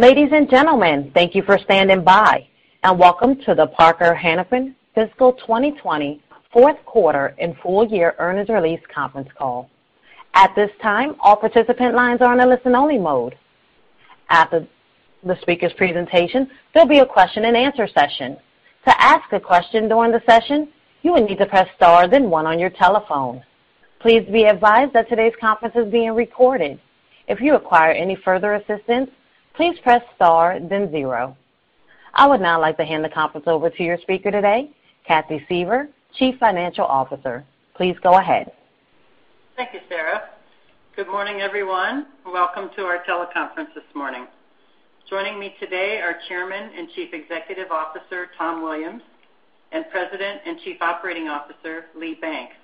Ladies and gentlemen, thank you for standing by, and welcome to the Parker-Hannifin Fiscal 2020 Fourth Quarter and Full Year Earnings Release Conference Call. At this time, all participant lines are in a listen only mode. After the speaker's presentation, there'll be a question and answer session. To ask a question during the session you will need to press star then one on your telephone. Please be advised that today's conference is being recorded.if you require any further assistance please press star then zero. I would now like to hand the conference over to your speaker today, Cathy Suever, Chief Financial Officer. Please go ahead. Thank you, Sarah. Good morning, everyone, and welcome to our teleconference this morning. Joining me today are Chairman and Chief Executive Officer, Tom Williams, and President and Chief Operating Officer, Lee Banks.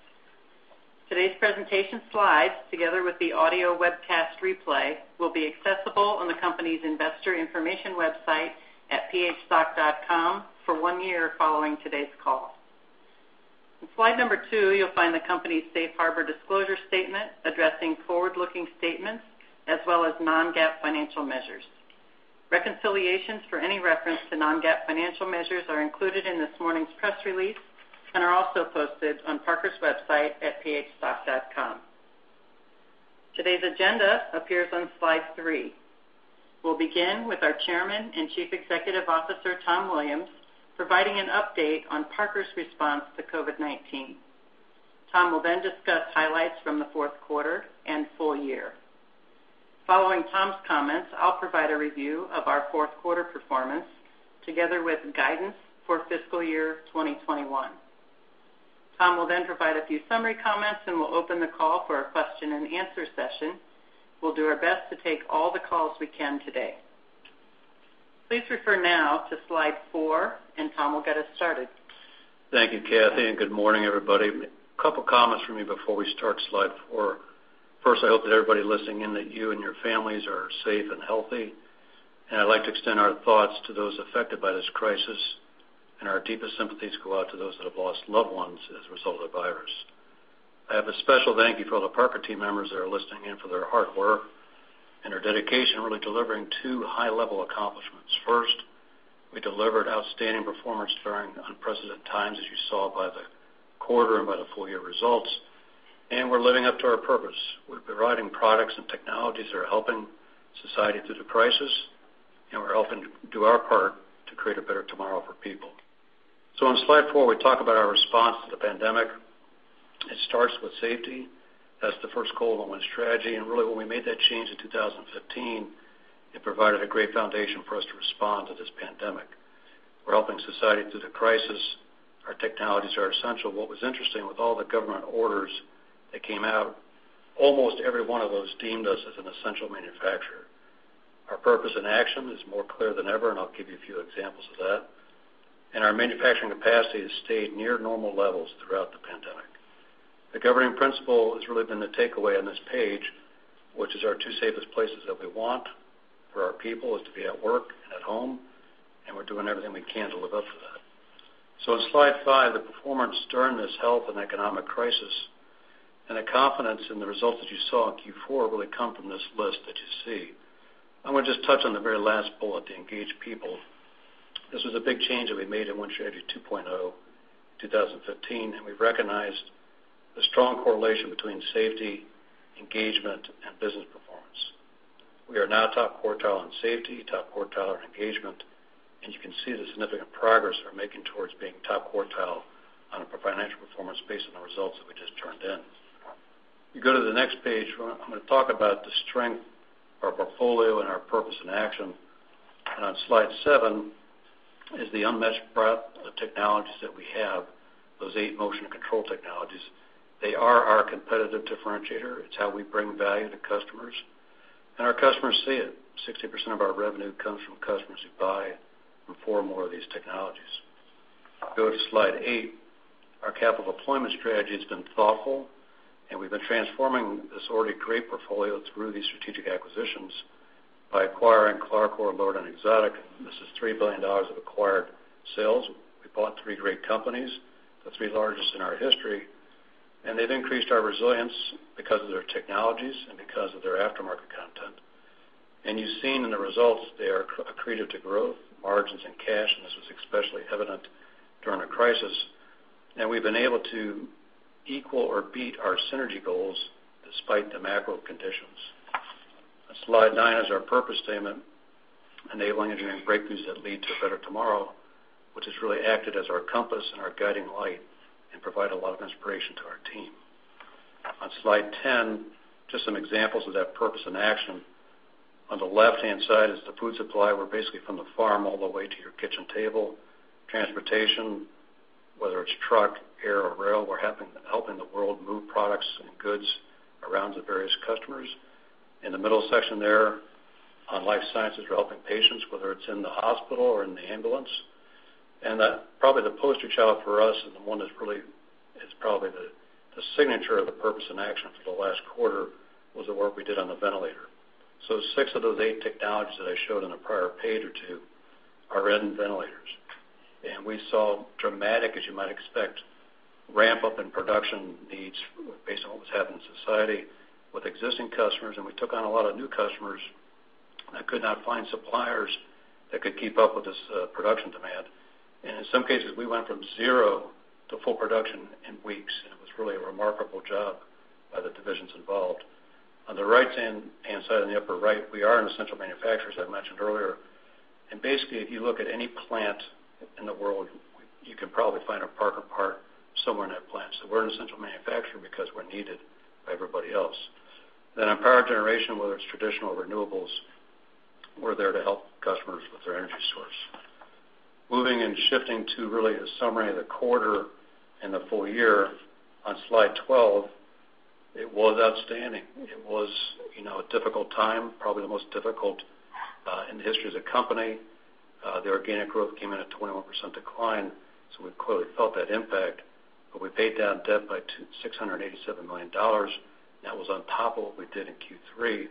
Today's presentation slides, together with the audio webcast replay, will be accessible on the company's investor information website at phstock.com for one year following today's call. On slide two, you'll find the company's safe harbor disclosure statement addressing forward-looking statements, as well as non-GAAP financial measures. Reconciliations for any reference to non-GAAP financial measures are included in this morning's press release and are also posted on Parker's website at phstock.com. Today's agenda appears on slide three. We'll begin with our Chairman and Chief Executive Officer, Tom Williams, providing an update on Parker's response to COVID-19. Tom will then discuss highlights from the fourth quarter and full year. Following Tom's comments, I'll provide a review of our fourth quarter performance together with guidance for fiscal year 2021. Tom will then provide a few summary comments, and we'll open the call for a question and answer session. We'll do our best to take all the calls we can today. Please refer now to slide four, and Tom will get us started. Thank you, Cathy. Good morning, everybody. A couple of comments from me before we start slide four. First, I hope that everybody listening in that you and your families are safe and healthy. I'd like to extend our thoughts to those affected by this crisis. Our deepest sympathies go out to those that have lost loved ones as a result of the virus. I have a special thank you for all the Parker team members that are listening in for their hard work and their dedication, really delivering two high-level accomplishments. First, we delivered outstanding performance during unprecedented times, as you saw by the quarter and by the full-year results. We're living up to our purpose. We're providing products and technologies that are helping society through the crisis. We're helping do our part to create a better tomorrow for people. On slide four, we talk about our response to the pandemic. It starts with safety. That's the first goal of Win Strategy. Really, when we made that change in 2015, it provided a great foundation for us to respond to this pandemic. We're helping society through the crisis. Our technologies are essential. What was interesting with all the government orders that came out, almost every one of those deemed us as an essential manufacturer. Our purpose in action is more clear than ever, and I'll give you a few examples of that. Our manufacturing capacity has stayed near normal levels throughout the pandemic. The governing principle has really been the takeaway on this page, which is our two safest places that we want for our people is to be at work and at home, and we're doing everything we can to live up to that. On slide five, the performance during this health and economic crisis and the confidence in the results that you saw in Q4 really come from this list that you see. I want to just touch on the very last bullet, the engaged people. This was a big change that we made in Win Strategy 2.0, 2015, and we've recognized the strong correlation between safety, engagement, and business performance. We are now top quartile on safety, top quartile on engagement, and you can see the significant progress we're making towards being top quartile on a financial performance based on the results that we just turned in. You go to the next page, I'm going to talk about the strength of our portfolio and our purpose in action. On slide seven is the unmatched breadth of the technologies that we have, those eight motion and control technologies. They are our competitive differentiator. It's how we bring value to customers, and our customers see it. 60% of our revenue comes from customers who buy from four or more of these technologies. Go to slide eight. Our capital deployment strategy has been thoughtful, and we've been transforming this already great portfolio through these strategic acquisitions by acquiring CLARCOR, LORD and Exotic. This is $3 billion of acquired sales. We bought three great companies, the three largest in our history, and they've increased our resilience because of their technologies and because of their aftermarket content. You've seen in the results they are accretive to growth, margins, and cash, and this was especially evident during a crisis. We've been able to equal or beat our synergy goals despite the macro conditions. Slide nine is our purpose statement, enabling engineering breakthroughs that lead to a better tomorrow, which has really acted as our compass and our guiding light and provide a lot of inspiration to our team. On Slide 10, just some examples of that purpose in action. On the left-hand side is the food supply. We're basically from the farm all the way to your kitchen table. Transportation, whether it's truck, air or rail, we're helping the world move products and goods around the various customers. In the middle section there on life sciences, we're helping patients, whether it's in the hospital or in the ambulance. Probably the poster child for us and the one that's really is probably the signature of the purpose in action for the last quarter was the work we did on the ventilator. Six of those eight technologies that I showed on a prior page or two are in ventilators. And we saw dramatic, as you might expect, ramp-up in production needs based on what was happening in society with existing customers, and we took on a lot of new customers that could not find suppliers that could keep up with this production demand. In some cases, we went from zero to full production in weeks, and it was really a remarkable job by the divisions involved. On the right-hand side, in the upper right, we are an essential manufacturer, as I mentioned earlier. Basically, if you look at any plant in the world, you can probably find a Parker part somewhere in that plant. We're an essential manufacturer because we're needed by everybody else. On power generation, whether it's traditional renewables, we're there to help customers with their energy source. Moving and shifting to really a summary of the quarter and the full year on slide 12, it was outstanding. It was a difficult time, probably the most difficult in the history of the company. The organic growth came in at a 21% decline, so we clearly felt that impact. We paid down debt by $687 million. That was on top of what we did in Q3.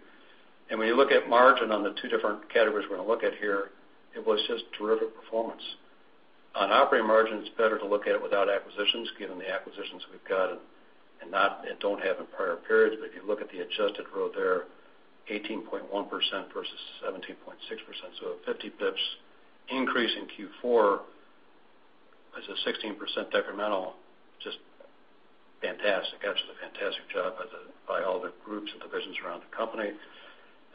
When you look at margin on the two different categories we're going to look at here, it was just terrific performance. On operating margin, it's better to look at it without acquisitions, given the acquisitions we've got and don't have in prior periods. If you look at the adjusted row there, 18.1% versus 17.6%, 50 basis points increase in Q4 as a 16% incremental. Just fantastic. Absolutely fantastic job by all the groups and divisions around the company.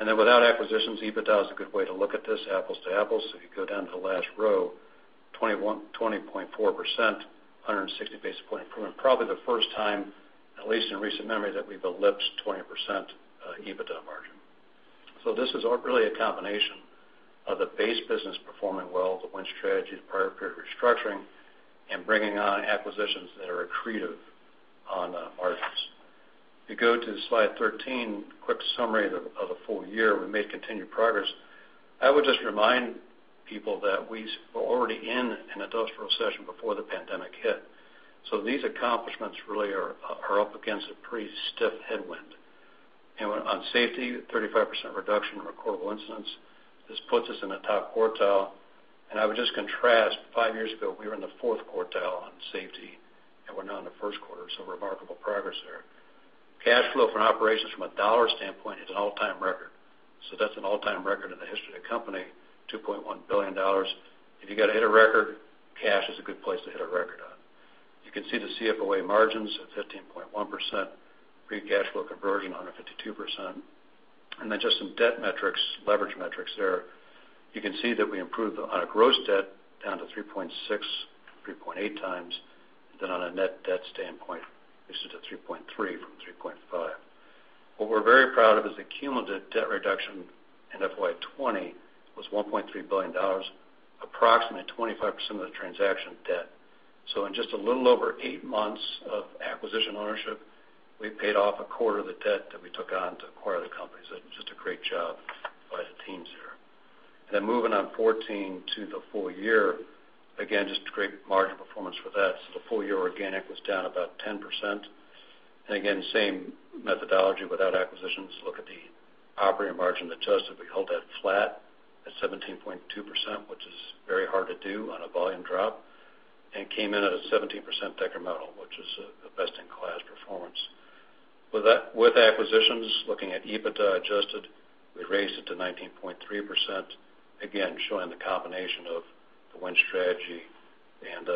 Without acquisitions, EBITDA is a good way to look at this, apples to apples. If you go down to the last row, 20.4%, 160 basis point improvement. Probably the first time, at least in recent memory, that we've eclipsed 20% EBITDA margin. This is really a combination of the base business performing well, the Win Strategy, the prior period restructuring, and bringing on acquisitions that are accretive on the margins. If you go to slide 13, a quick summary of the full year, we made continued progress. I would just remind people that we were already in an industrial recession before the pandemic hit. These accomplishments really are up against a pretty stiff headwind. On safety, 35% reduction in recordable incidents. This puts us in the top quartile. I would just contrast, five years ago, we were in the fourth quartile on safety, we're now in the first quartile, remarkable progress there. Cash flow from operations from a dollar standpoint is an all-time record. That's an all-time record in the history of the company, $2.1 billion. If you got to hit a record, cash is a good place to hit a record on. You can see the CFOA margins of 15.1%, free cash flow conversion 152%. Just some debt metrics, leverage metrics there. You can see that we improved on a gross debt down to 3.6, 3.8x. On a net debt standpoint, this is to 3.3 from 3.5. What we're very proud of is the cumulative debt reduction in FY 2020 was $1.3 billion, approximately 25% of the transaction debt. In just a little over eight months of acquisition ownership, we've paid off a quarter of the debt that we took on to acquire the companies. That's just a great job by the teams there. Moving on, 14, to the full year. Again, just great margin performance for that. The full-year organic was down about 10%. Again, same methodology without acquisitions. Look at the operating margin adjusted. We held that flat at 17.2%, which is very hard to do on a volume drop, and came in at a 17% incremental, which is a best-in-class performance. With acquisitions, looking at EBITDA adjusted, we raised it to 19.3%. Showing the combination of the Win Strategy and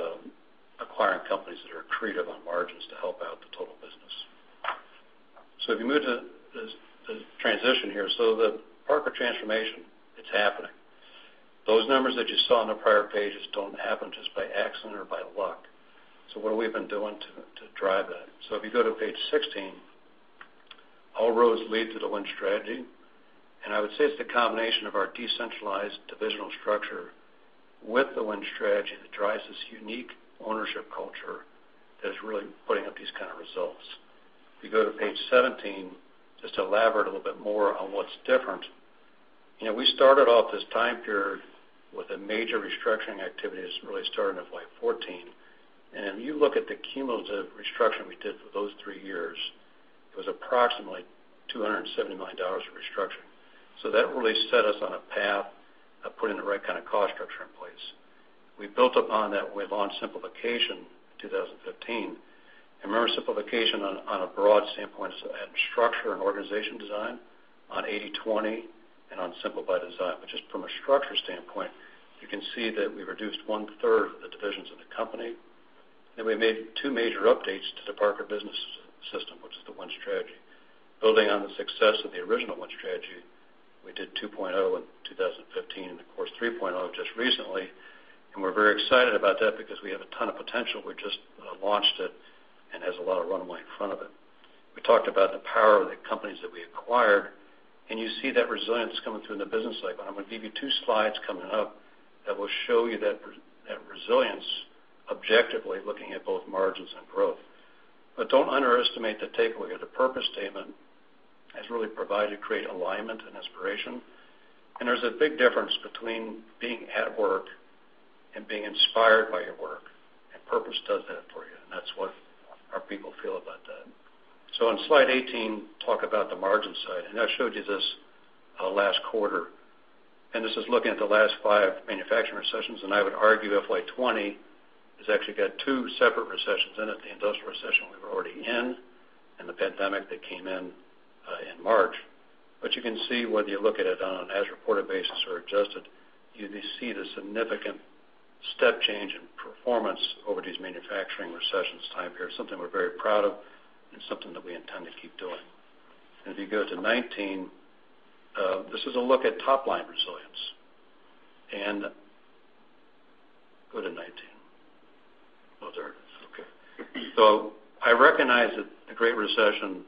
acquiring companies that are accretive on margins to help out the total business. If you move to the transition here, so the Parker transformation, it's happening. Those numbers that you saw on the prior pages don't happen just by accident or by luck. What have we been doing to drive that? If you go to page 16, all roads lead to the Win Strategy. I would say it's the combination of our decentralized divisional structure with the Win Strategy that drives this unique ownership culture that is really putting up these kind of results. If you go to page 17, just to elaborate a little bit more on what's different. We started off this time period with a major restructuring activity. This was really starting in FY 2014. If you look at the cumulative restructuring we did for those three years, it was approximately $270 million of restructuring. That really set us on a path of putting the right kind of cost structure in place. We built upon that. We launched Simplification in 2015. Remember, Simplification on a broad standpoint, so structure and organization design, on 80/20, and on simplify design. Just from a structure standpoint, you can see that we reduced one-third of the divisions in the company, and we made two major updates to the Parker Business System, which is the Win Strategy. Building on the success of the original Win Strategy, we did 2.0 in 2015 and, of course, 3.0 just recently. We're very excited about that because we have a ton of potential. We just launched it, and it has a lot of runway in front of it. We talked about the power of the companies that we acquired, and you see that resilience coming through in the business cycle. I'm going to give you two slides coming up that will show you that resilience objectively, looking at both margins and growth. Don't underestimate the takeaway. The purpose statement has really provided great alignment and inspiration, and there's a big difference between being at work and being inspired. Purpose does that for you, and that's what our people feel about that. On slide 18, talk about the margin side. I showed you this last quarter, and this is looking at the last five manufacturing recessions, and I would argue FY 2020 has actually got two separate recessions in it, the industrial recession we were already in, and the pandemic that came in in March. You can see whether you look at it on an as-reported basis or adjusted, you see the significant step change in performance over these manufacturing recessions time period, something we're very proud of, and something that we intend to keep doing. If you go to 19, this is a look at top-line resilience. Go to 19. Oh, there it is. Okay. I recognize that the Great Recession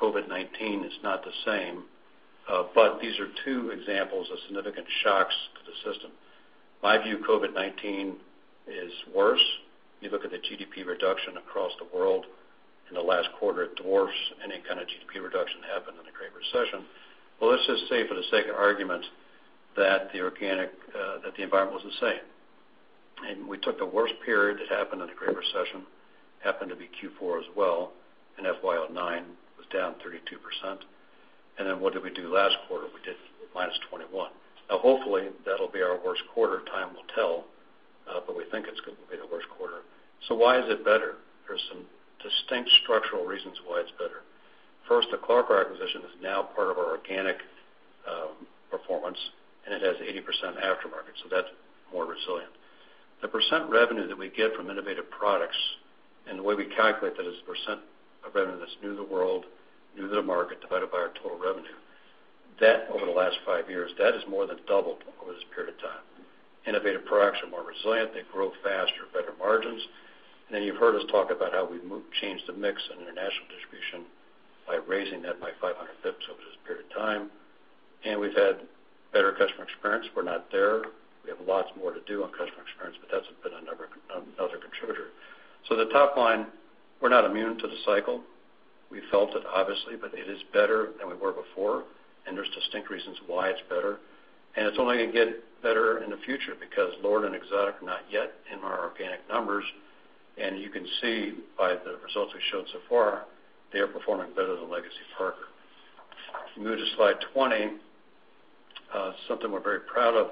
and COVID-19 is not the same. These are two examples of significant shocks to the system. My view, COVID-19 is worse. You look at the GDP reduction across the world in the last quarter, it dwarfs any kind of GDP reduction that happened in the Great Recession. Let's just say for the sake of argument that the environment was the same. We took the worst period that happened in the Great Recession, happened to be Q4 as well, FY 2009 was down 32%. What did we do last quarter? We did -21. Hopefully, that'll be our worst quarter. Time will tell. We think it's going to be the worst quarter. Why is it better? There's some distinct structural reasons why it's better. First, the CLARCOR acquisition is now part of our organic performance, and it has 80% aftermarket, so that's more resilient. The percent revenue that we get from innovative products, and the way we calculate that is the percent of revenue that's new to the world, new to the market, divided by our total revenue. That, over the last five years, that has more than doubled over this period of time. Innovative products are more resilient. They grow faster, better margins. You've heard us talk about how we've changed the mix in international distribution by raising that by 500 basis points over this period of time, and we've had better customer experience. We're not there. We have lots more to do on customer experience, that's been another contributor. The top line, we're not immune to the cycle. We felt it, obviously, it is better than we were before, there's distinct reasons why it's better. It's only going to get better in the future because LORD and Exotic are not yet in our organic numbers. You can see by the results we've shown so far, they are performing better than legacy Parker. If you move to slide 20, something we're very proud of,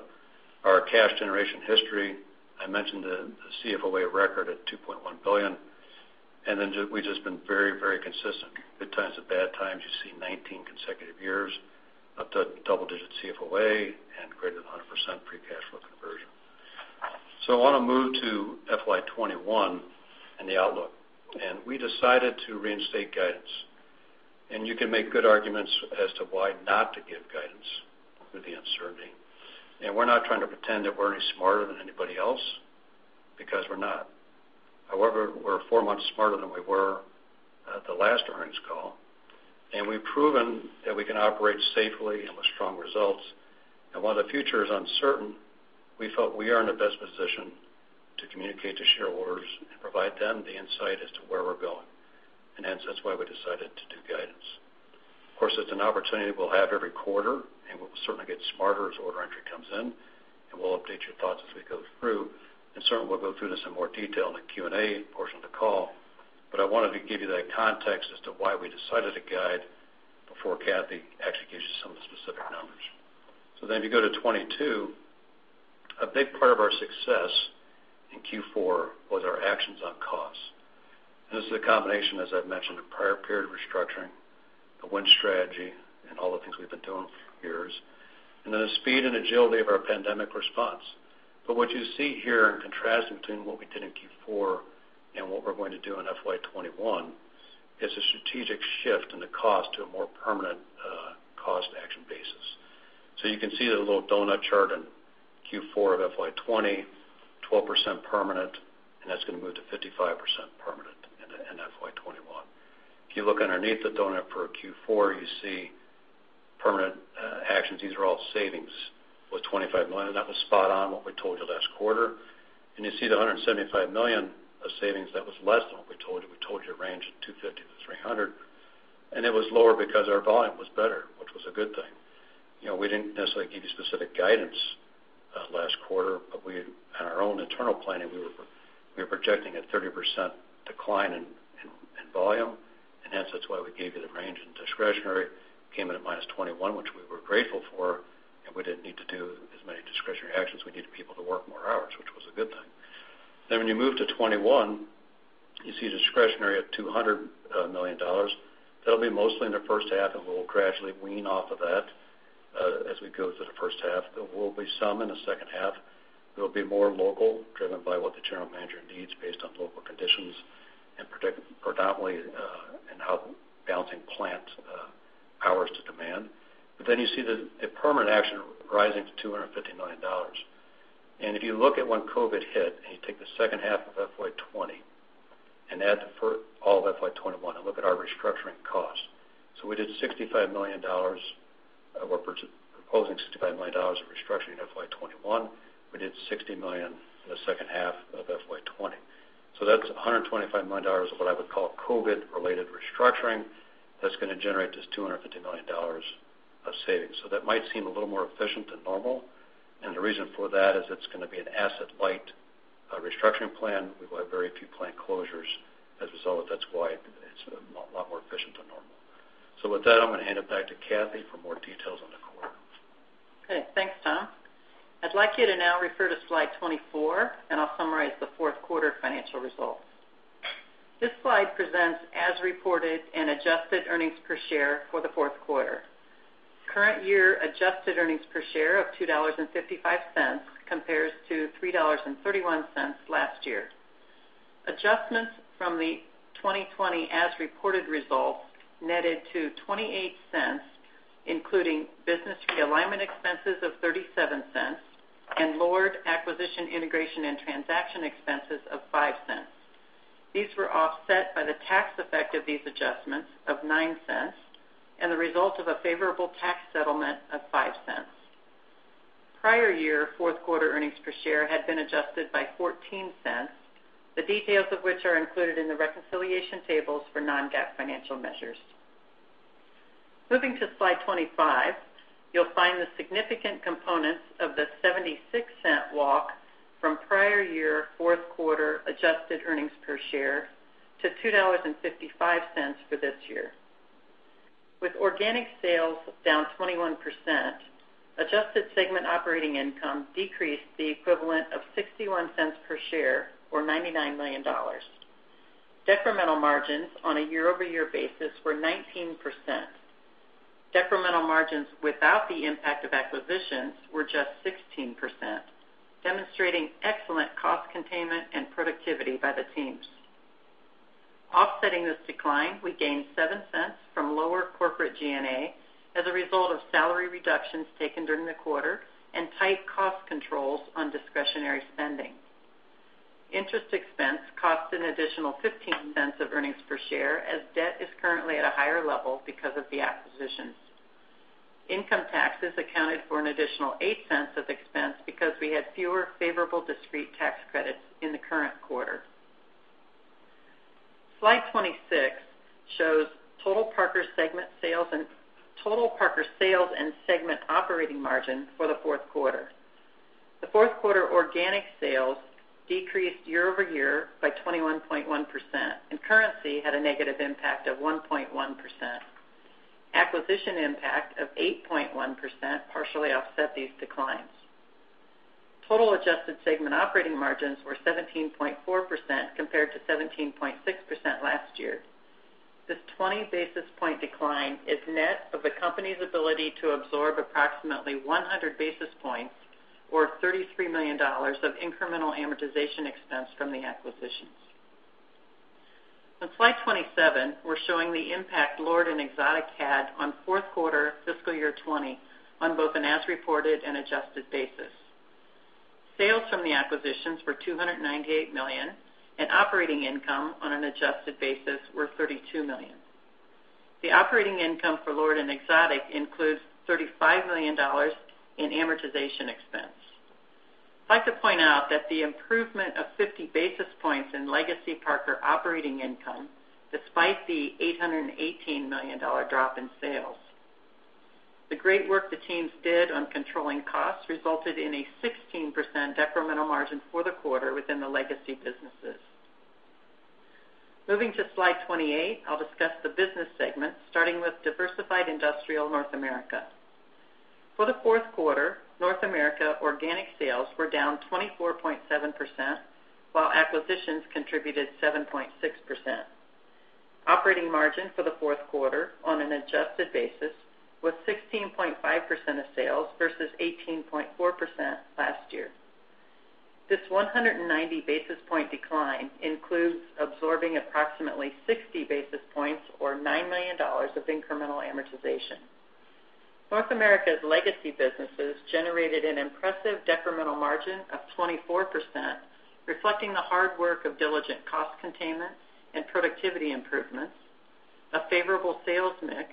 our cash generation history. I mentioned the CFOA record at $2.1 billion. We've just been very consistent. Good times and bad times, you see 19 consecutive years of the double-digit CFOA and greater than 100% free cash flow conversion. I want to move to FY 2021 and the outlook. We decided to reinstate guidance. You can make good arguments as to why not to give guidance with the uncertainty. We're not trying to pretend that we're any smarter than anybody else, because we're not. However, we're four months smarter than we were at the last earnings call, and we've proven that we can operate safely and with strong results. While the future is uncertain, we felt we are in the best position to communicate to shareholders and provide them the insight as to where we're going. Hence, that's why we decided to do guidance. Of course, it's an opportunity we'll have every quarter, and we'll certainly get smarter as order entry comes in, and we'll update your thoughts as we go through. Certainly, we'll go through this in more detail in the Q&A portion of the call. I wanted to give you that context as to why we decided to guide before Cathy actually gives you some of the specific numbers. If you go to 22, a big part of our success in Q4 was our actions on costs. This is a combination, as I've mentioned, of prior period restructuring, the Win Strategy, and all the things we've been doing for years, and then the speed and agility of our pandemic response. What you see here in contrasting between what we did in Q4 and what we're going to do in FY 2021 is a strategic shift in the cost to a more permanent cost action basis. You can see the little doughnut chart in Q4 of FY 2020, 12% permanent, and that's going to move to 55% permanent in FY 2021. If you look underneath the doughnut for Q4, you see permanent actions. These are all savings with $25 million. That was spot on what we told you last quarter. You see the $175 million of savings, that was less than what we told you. We told you a range of $250 million-$300 million. It was lower because our volume was better, which was a good thing. We didn't necessarily give you specific guidance last quarter, but on our own internal planning, we were projecting a 30% decline in volume. That's why we gave you the range in discretionary. Came in at -21, which we were grateful for, and we didn't need to do as many discretionary actions. We needed people to work more hours, which was a good thing. You move to 21, you see discretionary at $200 million. That'll be mostly in the first half, and we'll gradually wean off of that as we go through the first half. There will be some in the second half. There will be more local, driven by what the general manager needs based on local conditions and predominantly in helping balancing plant hours to demand. You see the permanent action rising to $250 million. If you look at when COVID-19 hit, and you take the second half of FY 2020 and add all of FY 2021 and look at our restructuring costs. We're proposing $65 million of restructuring in FY 2021. We did $60 million in the second half of FY 2020. That's $125 million of what I would call COVID-related restructuring. That's going to generate this $250 million of savings. That might seem a little more efficient than normal. The reason for that is it's going to be an asset-light restructuring plan. We will have very few plant closures as a result. That's why it's a lot more efficient than normal. With that, I'm going to hand it back to Kathy for more details on the quarter. Okay. Thanks, Tom. I'd like you to now refer to slide 24 and I'll summarize the fourth quarter financial results. This slide presents as reported and adjusted earnings per share for the fourth quarter. Current year adjusted earnings per share of $2.55 compares to $3.31 last year. Adjustments from the 2020 as reported results netted to $0.28, including business realignment expenses of $0.37 and lower acquisition integration and transaction expenses of $0.05. These were offset by the tax effect of these adjustments of $0.09 and the result of a favorable tax settlement of $0.05. Prior year fourth quarter earnings per share had been adjusted by $0.14, the details of which are included in the reconciliation tables for non-GAAP financial measures. Moving to slide 25, you'll find the significant components of the $0.76 walk from prior year fourth quarter adjusted earnings per share to $2.55 for this year. With organic sales down 21%, adjusted segment operating income decreased the equivalent of $0.61 per share or $99 million. Decremental margins on a year-over-year basis were 19%. Decremental margins without the impact of acquisitions were just 16%, demonstrating excellent cost containment and productivity by the teams. Offsetting this decline, we gained $0.07 from lower corporate G&A as a result of salary reductions taken during the quarter and tight cost controls on discretionary spending. Interest expense cost an additional $0.15 of earnings per share, as debt is currently at a higher level because of the acquisitions. Income taxes accounted for an additional $0.08 of expense because we had fewer favorable discrete tax credits in the current quarter. Slide 26 shows total Parker sales and segment operating margin for the fourth quarter. The fourth quarter organic sales decreased year-over-year by 21.1%, currency had a negative impact of 1.1%. Acquisition impact of 8.1% partially offset these declines. Total adjusted segment operating margins were 17.4% compared to 17.6% last year. This 20 basis point decline is net of the company's ability to absorb approximately 100 basis points or $33 million of incremental amortization expense from the acquisitions. On slide 27, we're showing the impact LORD and Exotic had on fourth quarter fiscal year 2020 on both an as reported and adjusted basis. Sales from the acquisitions were $298 million, and operating income on an adjusted basis were $32 million. The operating income for LORD and Exotic includes $35 million in amortization expense. I'd like to point out that the improvement of 50 basis points in legacy Parker operating income, despite the $818 million drop in sales. The great work the teams did on controlling costs resulted in a 16% decremental margin for the quarter within the legacy businesses. Moving to slide 28, I'll discuss the business segments, starting with Diversified Industrial North America. For the fourth quarter, North America organic sales were down 24.7%, while acquisitions contributed 7.6%. Operating margin for the fourth quarter on an adjusted basis was 16.5% of sales versus 18.4% last year. This 190 basis point decline includes absorbing approximately 60 basis points or $9 million of incremental amortization. North America's legacy businesses generated an impressive decremental margin of 24%, reflecting the hard work of diligent cost containment and productivity improvements, a favorable sales mix,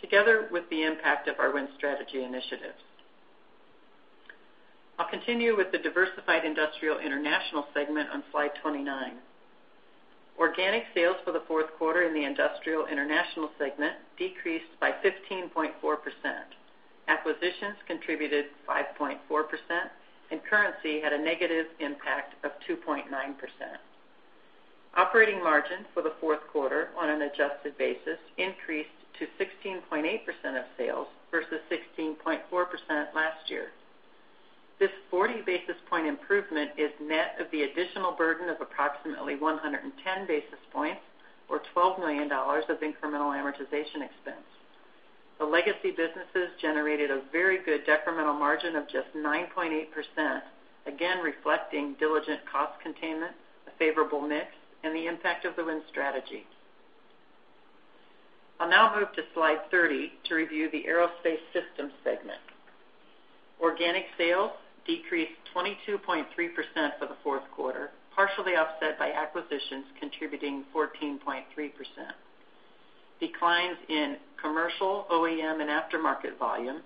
together with the impact of our Win Strategy initiatives. I'll continue with the Diversified Industrial International segment on slide 29. Organic sales for the fourth quarter in the Industrial International segment decreased by 15.4%. Acquisitions contributed 5.4%, currency had a negative impact of 2.9%. Operating margin for the fourth quarter on an adjusted basis increased to 16.8% of sales versus 16.4% last year. This 40 basis point improvement is net of the additional burden of approximately 110 basis points or $12 million of incremental amortization expense. The legacy businesses generated a very good decremental margin of just 9.8%, again reflecting diligent cost containment, a favorable mix, and the impact of the Win Strategy. I'll now move to slide 30 to review the Aerospace Systems segment. Organic sales decreased 22.3% for the fourth quarter, partially offset by acquisitions contributing 14.3%. Declines in commercial OEM and aftermarket volume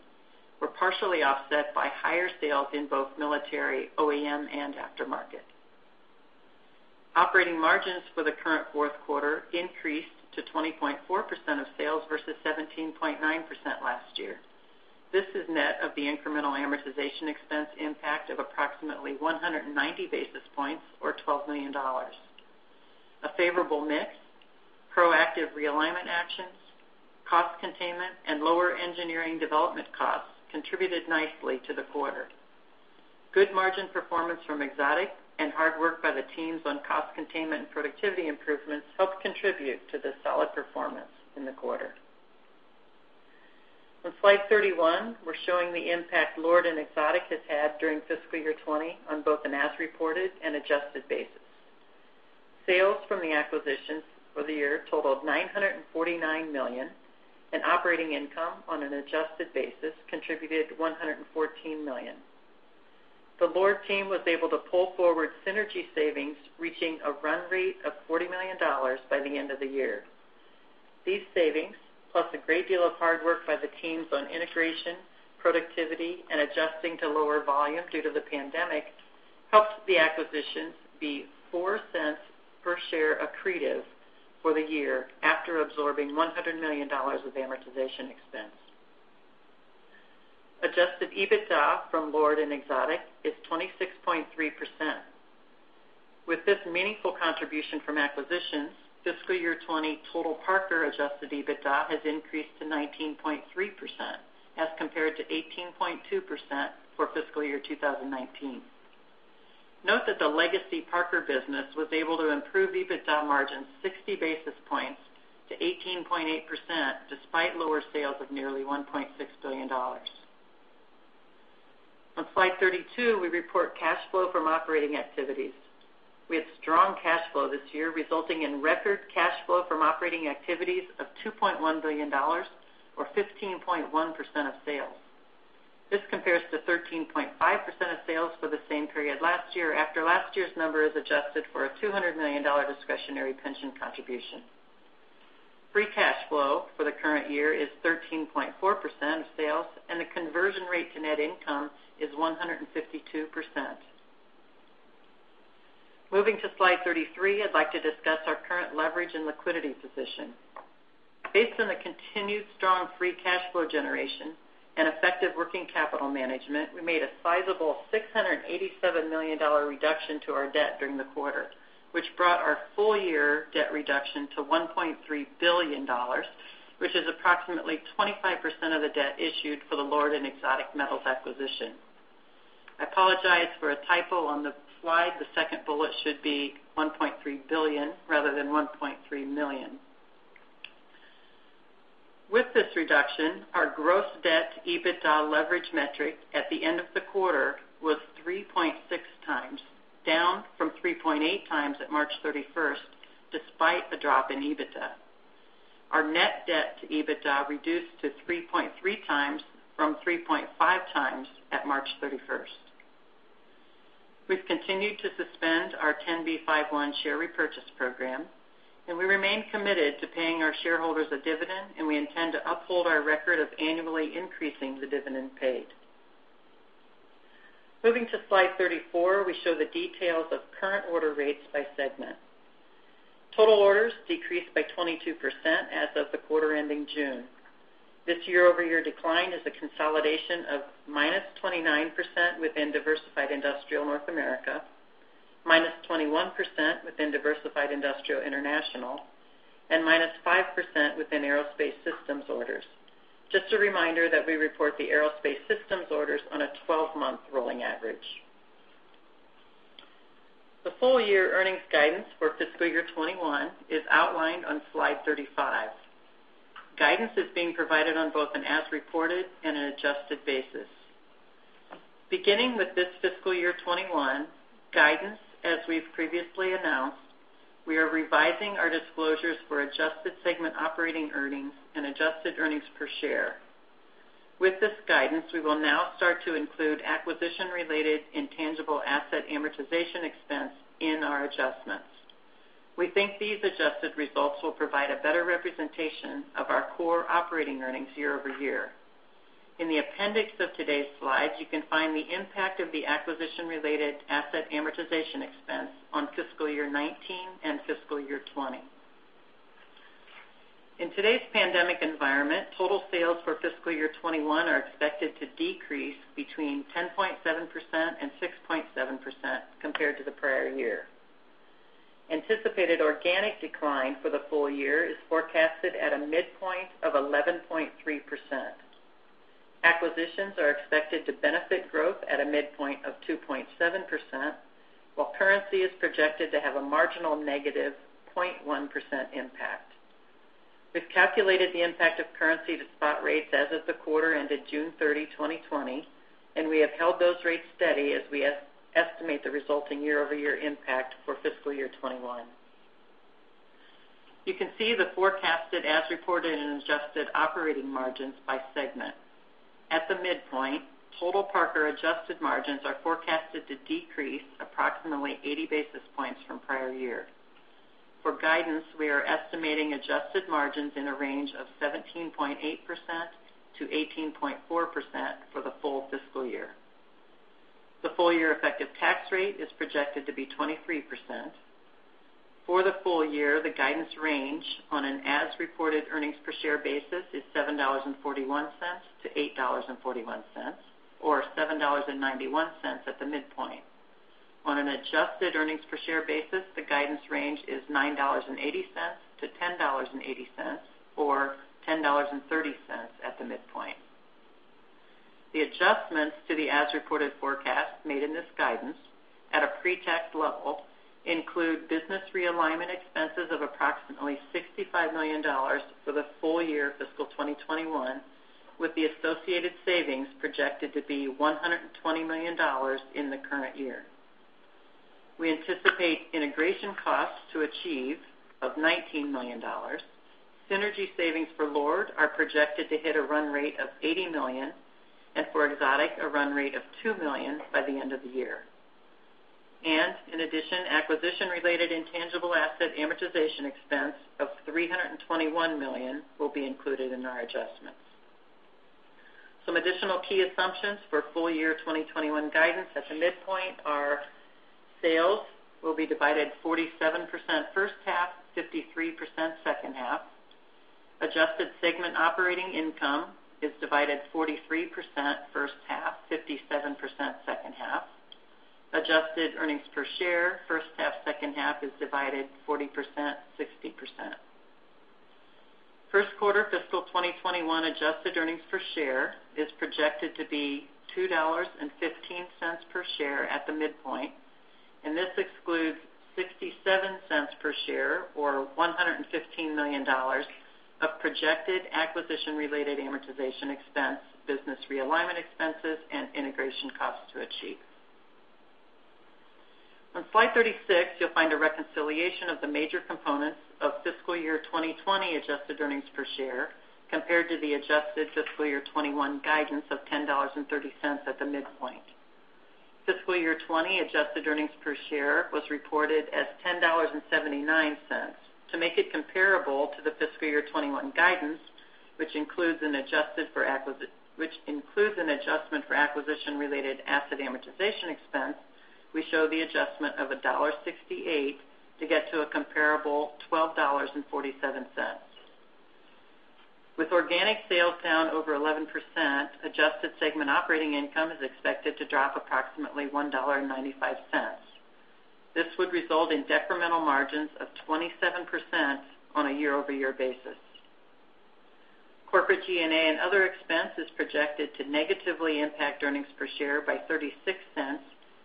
were partially offset by higher sales in both military OEM and aftermarket. Operating margins for the current fourth quarter increased to 20.4% of sales versus 17.9% last year. This is net of the incremental amortization expense impact of approximately 190 basis points, or $12 million. A favorable mix, proactive realignment actions, cost containment, and lower engineering development costs contributed nicely to the quarter. Good margin performance from Exotic and hard work by the teams on cost containment and productivity improvements helped contribute to the solid performance in the quarter. On slide 31, we're showing the impact LORD and Exotic has had during fiscal year 2020 on both an as-reported and adjusted basis. Sales from the acquisitions for the year totaled $949 million, and operating income on an adjusted basis contributed $114 million. The LORD team was able to pull forward synergy savings, reaching a run rate of $40 million by the end of the year. These savings, plus a great deal of hard work by the teams on integration, productivity, and adjusting to lower volume due to the pandemic, helped the acquisitions be $0.04 per share accretive for the year after absorbing $100 million of amortization expense. Adjusted EBITDA from LORD and Exotic is 26.3%. With this meaningful contribution from acquisitions, fiscal year 2020 total Parker adjusted EBITDA has increased to 19.3%, as compared to 18.2% for fiscal year 2019. Note that the legacy Parker business was able to improve EBITDA margins 60 basis points to 18.8%, despite lower sales of nearly $1.6 billion. On slide 32, we report cash flow from operating activities. We had strong cash flow this year, resulting in record cash flow from operating activities of $2.1 billion, or 15.1% of sales. This compares to 13.5% of sales for the same period last year after last year's number is adjusted for a $200 million discretionary pension contribution. Free cash flow for the current year is 13.4% of sales, and the conversion rate to net income is 152%. Moving to slide 33, I'd like to discuss our current leverage and liquidity position. Based on the continued strong free cash flow generation and effective working capital management, we made a sizable $687 million reduction to our debt during the quarter, which brought our full year debt reduction to $1.3 billion, which is approximately 25% of the debt issued for the LORD and Exotic Metals acquisition. I apologize for a typo on the slide. The second bullet should be $1.3 billion rather than $1.3 million. With this reduction, our gross debt to EBITDA leverage metric at the end of the quarter was 3.6x, down from 3.8 times at March 31st, despite the drop in EBITDA. Our net debt to EBITDA reduced to 3.3x from 3.5x at March 31st. We've continued to suspend our 10b5-1 share repurchase program, and we remain committed to paying our shareholders a dividend, and we intend to uphold our record of annually increasing the dividend paid. Moving to slide 34, we show the details of current order rates by segment. Total orders decreased by 22% as of the quarter ending June. This year-over-year decline is a consolidation of -29% within Diversified Industrial North America, -21% within Diversified Industrial International, and -5% within Aerospace Systems orders. Just a reminder that we report the Aerospace Systems orders on a 12-month rolling average. The full year earnings guidance for fiscal year 2021 is outlined on slide 35. Guidance is being provided on both an as-reported and an adjusted basis. Beginning with this fiscal year 2021 guidance, as we've previously announced, we are revising our disclosures for adjusted segment operating earnings and adjusted earnings per share. With this guidance, we will now start to include acquisition-related intangible asset amortization expense in our adjustments. We think these adjusted results will provide a better representation of our core operating earnings year-over-year. In the appendix of today's slides, you can find the impact of the acquisition-related asset amortization expense on fiscal year 2019 and fiscal year 2020. In today's pandemic environment, total sales for fiscal year 2021 are expected to decrease between 10.7% and 6.7% compared to the prior year. Anticipated organic decline for the full year is forecasted at a midpoint of 11.3%. Acquisitions are expected to benefit growth at a midpoint of 2.7%, while currency is projected to have a marginal negative 0.1% impact. We've calculated the impact of currency to spot rates as of the quarter ended June 30, 2020, and we have held those rates steady as we estimate the resulting year-over-year impact for fiscal year 2021. You can see the forecasted as reported and adjusted operating margins by segment. At the midpoint, total Parker adjusted margins are forecasted to decrease approximately 80 basis points from prior year. For guidance, we are estimating adjusted margins in a range of 17.8%-18.4% for the full fiscal year. The full-year effective tax rate is projected to be 23%. For the full year, the guidance range on an as-reported earnings per share basis is $7.41-$8.41, or $7.91 at the midpoint. On an adjusted earnings per share basis, the guidance range is $9.80-$10.80, or $10.30 at the midpoint. The adjustments to the as-reported forecast made in this guidance at a pre-tax level include business realignment expenses of approximately $65 million for the full year fiscal 2021, with the associated savings projected to be $120 million in the current year. We anticipate integration costs to achieve of $19 million. Synergy savings for LORD are projected to hit a run rate of $80 million, and for Exotic, a run rate of $2 million by the end of the year. In addition, acquisition-related intangible asset amortization expense of $321 million will be included in our adjustments. Some additional key assumptions for full-year 2021 guidance at the midpoint are: sales will be divided 47% first half, 53% second half. Adjusted segment operating income is divided 43% first half, 57% second half. Adjusted earnings per share, first half, second half is divided 40%, 60%. First quarter fiscal 2021 adjusted earnings per share is projected to be $2.15 per share at the midpoint. This excludes $0.67 per share, or $115 million, of projected acquisition-related amortization expense, business realignment expenses, and integration costs to achieve. On slide 36, you'll find a reconciliation of the major components of fiscal year 2020 adjusted earnings per share compared to the adjusted fiscal year 2021 guidance of $10.30 at the midpoint. Fiscal year 2020 adjusted earnings per share was reported as $10.79. To make it comparable to the fiscal year 2021 guidance, which includes an adjustment for acquisition-related asset amortization expense, we show the adjustment of $1.68 to get to a comparable $12.47. With organic sales down over 11%, adjusted segment operating income is expected to drop approximately $1.95. This would result in decremental margins of 27% on a year-over-year basis. Corporate G&A and other expense is projected to negatively impact earnings per share by $0.36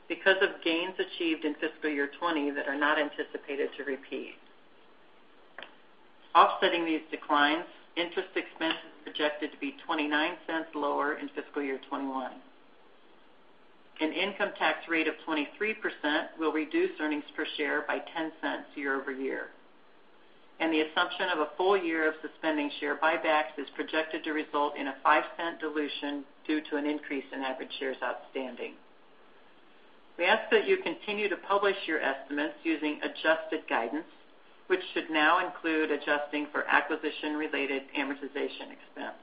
because of gains achieved in fiscal year 2020 that are not anticipated to repeat. Offsetting these declines, interest expense is projected to be $0.29 lower in fiscal year 2021. An income tax rate of 23% will reduce earnings per share by $0.10 year-over-year. The assumption of a full year of suspending share buybacks is projected to result in a $0.05 dilution due to an increase in average shares outstanding. We ask that you continue to publish your estimates using adjusted guidance, which should now include adjusting for acquisition-related amortization expense.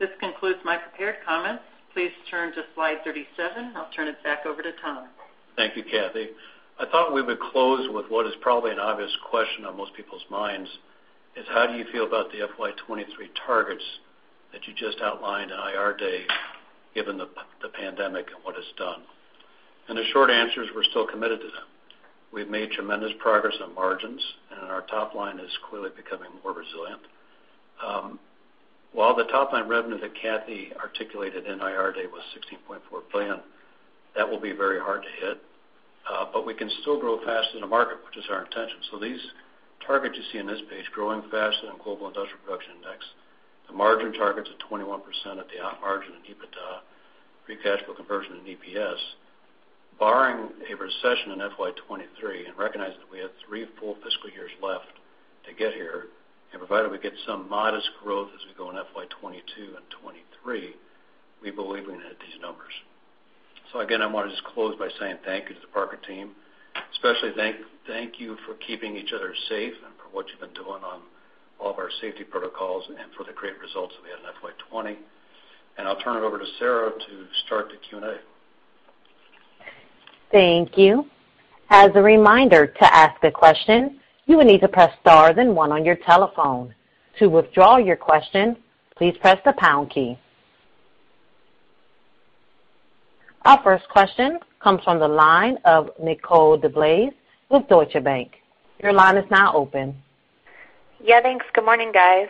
This concludes my prepared comments. Please turn to slide 37. I'll turn it back over to Tom. Thank you, Kathy. I thought we would close with what is probably an obvious question on most people's minds, is how do you feel about the FY 2023 targets that you just outlined on IR day, given the pandemic and what it's done? The short answer is we're still committed to them. We've made tremendous progress on margins, and our top line is clearly becoming more resilient. While the top-line revenue that Kathy articulated in IR day was $16.4 billion, that will be very hard to hit. We can still grow faster than the market, which is our intention. These targets you see on this page, growing faster than global industrial production index, the margin targets of 21% at the op margin and EBITDA, free cash flow conversion and EPS. Barring a recession in FY 2023, and recognizing that we have three full fiscal years left to get here, and provided we get some modest growth as we go in FY 2022 and 2023, we believe we can hit these numbers. Again, I want to just close by saying thank you to the Parker team. Especially thank you for keeping each other safe and for what you've been doing on all of our safety protocols and for the great results that we had in FY 2020. I'll turn it over to Sarah to start the Q&A. Thank you. As a reminder, to ask a question, you will need to press star, then one on your telephone. To withdraw your question, please press the pound key. Our first question comes from the line of Nicole DeBlase with Deutsche Bank. Your line is now open. Yeah, thanks. Good morning, guys.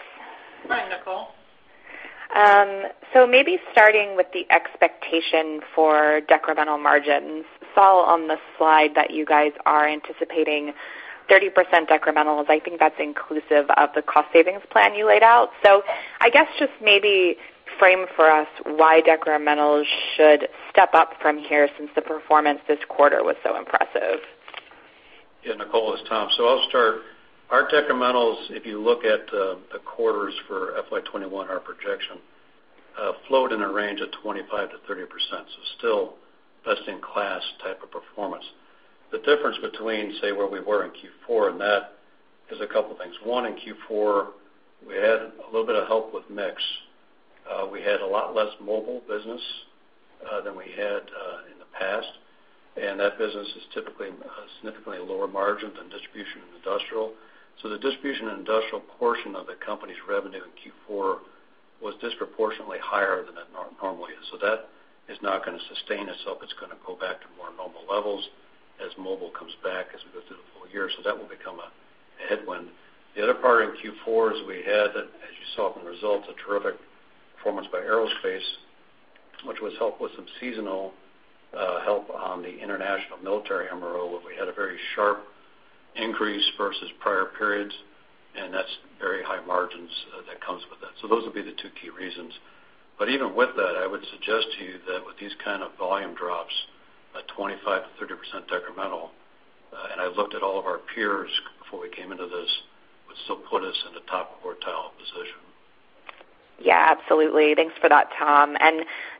Hi, Nicole. Maybe starting with the expectation for decremental margins. Saw on the slide that you guys are anticipating 30% decremental. I think that's inclusive of the cost savings plan you laid out. I guess just maybe frame for us why decremental should step up from here since the performance this quarter was so impressive. Yeah, Nicole, it's Tom. I'll start. Our decrementals, if you look at the quarters for FY 2021, our projection float in a range of 25%-30%, so still best-in-class type of performance. The difference between, say, where we were in Q4 and that is a couple things. One, in Q4, we had a little bit of help with mix. We had a lot less mobile business than we had in the past, and that business is typically significantly lower margin than distribution and industrial. The distribution and industrial portion of the company's revenue in Q4 was disproportionately higher than it normally is. That is not going to sustain itself. It's going to go back to more normal levels as mobile comes back, as we go through the full year. That will become a headwind. The other part in Q4 is we had, as you saw from the results, a terrific performance by Aerospace, which was helped with some seasonal help on the international military MRO, where we had a very sharp increase versus prior periods. That's very high margins that comes with that. Those would be the two key reasons. Even with that, I would suggest to you that with these kind of volume drops, a 25%-30% decremental, and I looked at all of our peers before we came into this, would still put us in the top quartile position. Yeah, absolutely. Thanks for that, Tom.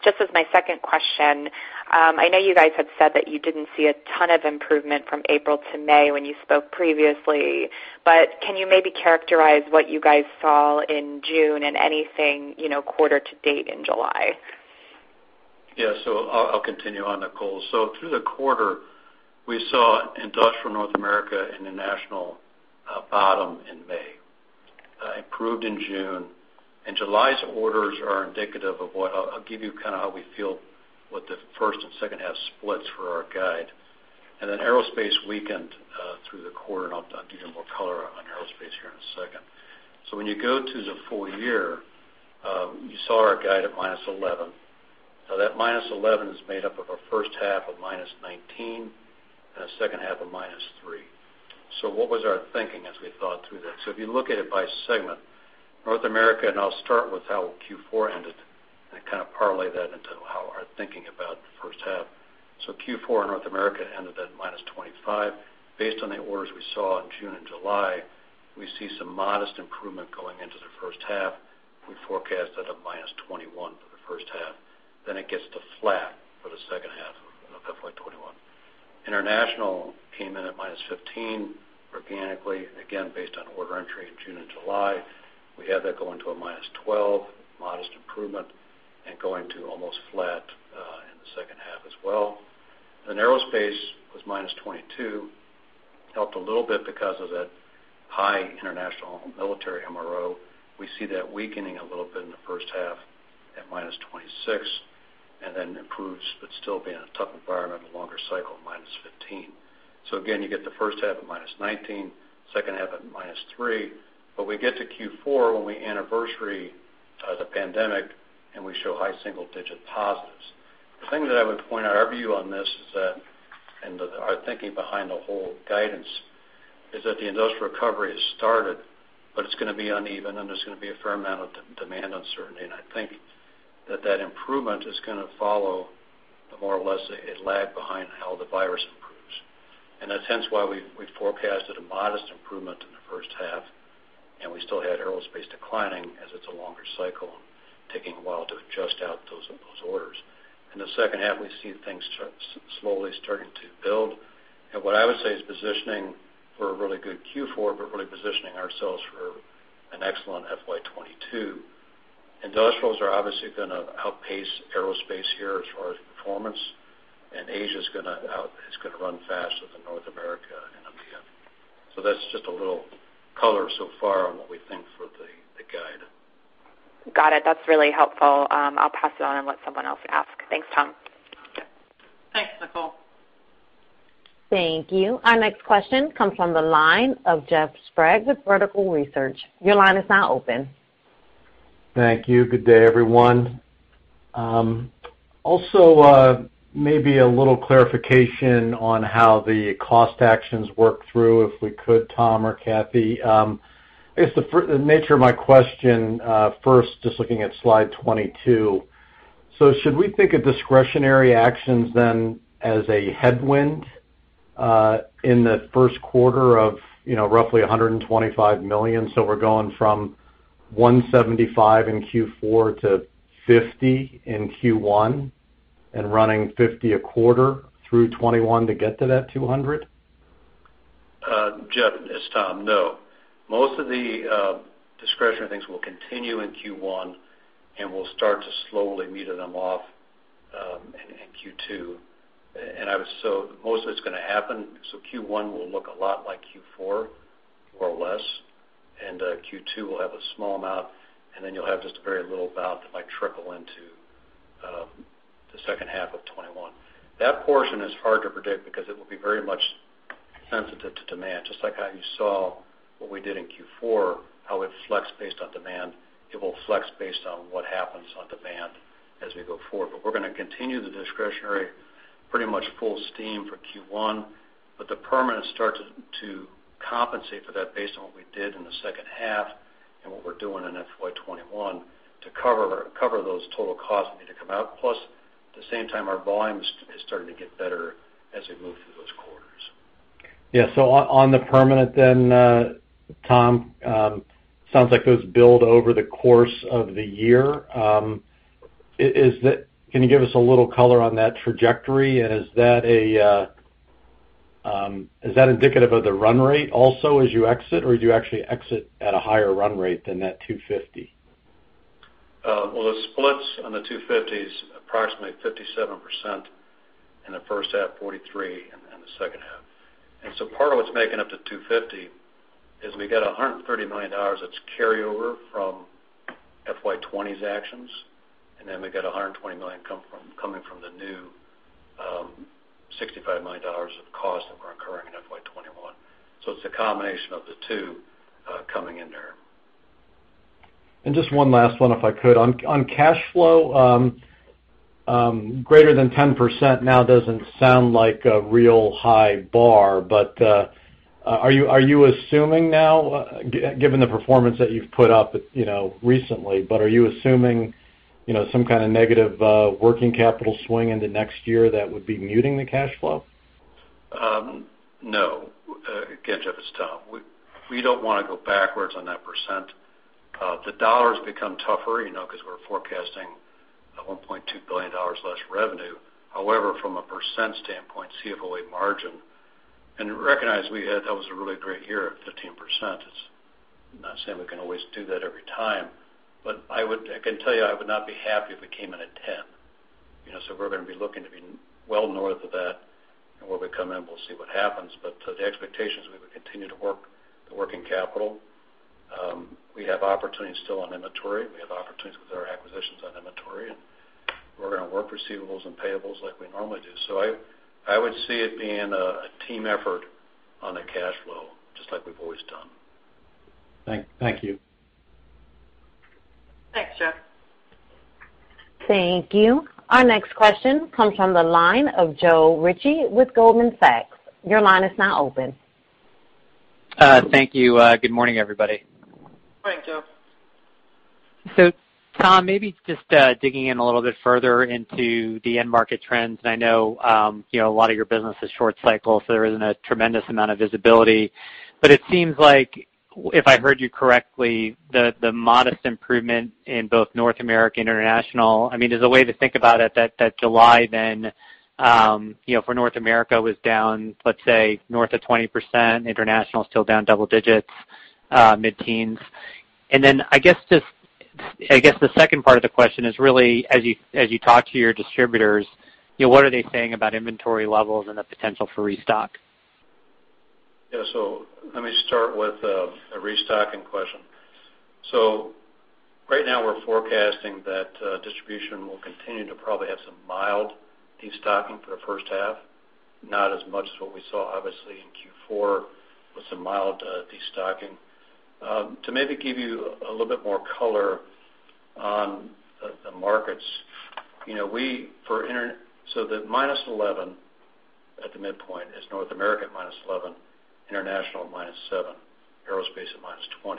Just as my second question, I know you guys had said that you didn't see a ton of improvement from April to May when you spoke previously, but can you maybe characterize what you guys saw in June and anything quarter to date in July? I'll continue on, Nicole. Through the quarter, we saw Industrial North America and the national bottom in May, improved in June, and July's orders are indicative of what I'll give you kind of how we feel what the first and second half splits for our guide. Aerospace weakened through the quarter, and I'll give you more color on Aerospace here in a second. When you go to the full year, you saw our guide at -11%. That -11% is made up of a first half of -19% and a second half of -3%. What was our thinking as we thought through that? If you look at it by segment, North America, I'll start with how Q4 ended and kind of parlay that into how we're thinking about the first half. Q4 in North America ended at -25%. Based on the orders we saw in June and July, we see some modest improvement going into the first half. We forecast at -21% for the first half, then it gets to flat for the second half of FY 2021. International came in at -15% organically, again, based on order entry in June and July. We have that going to -12%, modest improvement, and going to almost flat in the second half as well. Aerospace was -22%, helped a little bit because of that high international military MRO. We see that weakening a little bit in the first half at -26%, and then improves, but still being a tough environment, a longer cycle, -15%. Again, you get the first half at -19%, second half at -3%, but we get to Q4 when we anniversary the pandemic, and we show high single digit positives. The thing that I would point out, our view on this is that, and our thinking behind the whole guidance, is that the industrial recovery has started, but it's going to be uneven, and there's going to be a fair amount of demand uncertainty. I think that that improvement is going to follow more or less a lag behind how the virus improves. In a sense, why we forecasted a modest improvement in the first half, and we still had aerospace declining as it's a longer cycle and taking a while to adjust out those orders. In the second half, we see things slowly starting to build. What I would say is positioning for a really good Q4, but really positioning ourselves for an excellent FY 2022. Industrials are obviously going to outpace aerospace here as far as performance. Asia's going to run faster than North America and EMEIA. That's just a little color so far on what we think for the guide. Got it. That's really helpful. I'll pass it on and let someone else ask. Thanks, Tom. Okay. Thanks, Nicole. Thank you. Our next question comes from the line of Jeff Sprague with Vertical Research. Your line is now open. Thank you. Good day, everyone. Maybe a little clarification on how the cost actions work through, if we could, Tom or Kathy. I guess the nature of my question, first, just looking at slide 22. Should we think of discretionary actions then as a headwind in the first quarter of roughly $125 million? We're going from $175 in Q4 to $50 in Q1, and running $50 a quarter through 2021 to get to that $200? Jeff, it's Tom. No. Most of the discretionary things will continue in Q1, and we'll start to slowly meter them off in Q2. Most of it's going to happen, so Q1 will look a lot like Q4, more or less, and Q2 will have a small amount, and then you'll have just a very little amount that might trickle into the second half of 2021. That portion is hard to predict because it will be very much sensitive to demand. Just like how you saw what we did in Q4, how it flexed based on demand, it will flex based on what happens on demand as we go forward. We're going to continue the discretionary pretty much full steam for Q1, but the permanent start to compensate for that based on what we did in the second half and what we're doing in FY 2021 to cover those total costs that need to come out. Plus, at the same time, our volumes is starting to get better as we move through this quarter. Yeah. On the permanent then, Tom, sounds like those build over the course of the year. Can you give us a little color on that trajectory? Is that indicative of the run rate also as you exit, or do you actually exit at a higher run rate than that 250? Well, the splits on the $250 is approximately 57% in the first half, 43% in the second half. Part of what's making up the $250 is we got $130 million that's carryover from FY 2020's actions, we've got $120 million coming from the new $65 million of cost that we're incurring in FY 2021. It's a combination of the two coming in there. Just one last one, if I could. On cash flow, greater than 10% now doesn't sound like a real high bar. Are you assuming now, given the performance that you've put up recently, but are you assuming some kind of negative working capital swing in the next year that would be muting the cash flow? No. Again, Jeff, it's Tom. We don't want to go backwards on that %. The dollar's become tougher, because we're forecasting a $1.2 billion less revenue. However, from a % standpoint, CFOA margin, and recognize that was a really great year at 15%. I'm not saying we can always do that every time. I can tell you, I would not be happy if we came in at 10%. We're going to be looking to be well north of that, and where we come in, we'll see what happens. The expectation is we would continue to work the working capital. We have opportunities still on inventory. We have opportunities with our acquisitions on inventory, and we're going to work receivables and payables like we normally do. I would see it being a team effort on the cash flow, just like we've always done. Thank you. Thanks, Jeff. Thank you. Our next question comes from the line of Joe Ritchie with Goldman Sachs. Your line is now open. Thank you. Good morning, everybody. Morning, Joe. Tom, maybe just digging in a little bit further into the end market trends, and I know a lot of your business is short cycle, so there isn't a tremendous amount of visibility. It seems like, if I heard you correctly, the modest improvement in both North America and international, is a way to think about it that July then, for North America was down, let's say, north of 20%, international still down double digits, mid-teens. I guess the second part of the question is really as you talk to your distributors, what are they saying about inventory levels and the potential for restock? Yeah. Let me start with the restocking question. Right now we're forecasting that distribution will continue to probably have some mild destocking for the first half, not as much as what we saw, obviously, in Q4 with some mild destocking. To maybe give you a little bit more color on the markets. The -11 at the midpoint is North America at -11, International at minus seven, Aerospace at -20.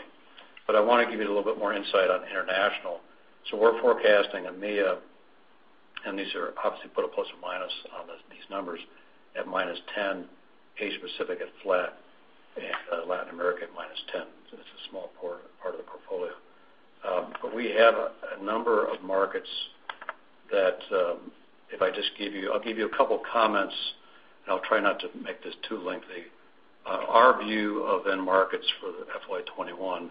I want to give you a little bit more insight on International. We're forecasting EMEA, and these are obviously put a plus or minus on these numbers, at -10, Asia-Pacific at flat, and Latin America at -10. That's a small part of the portfolio. We have a number of markets that I'll give you a couple comments, and I'll try not to make this too lengthy. Our view of end markets for the FY 2021,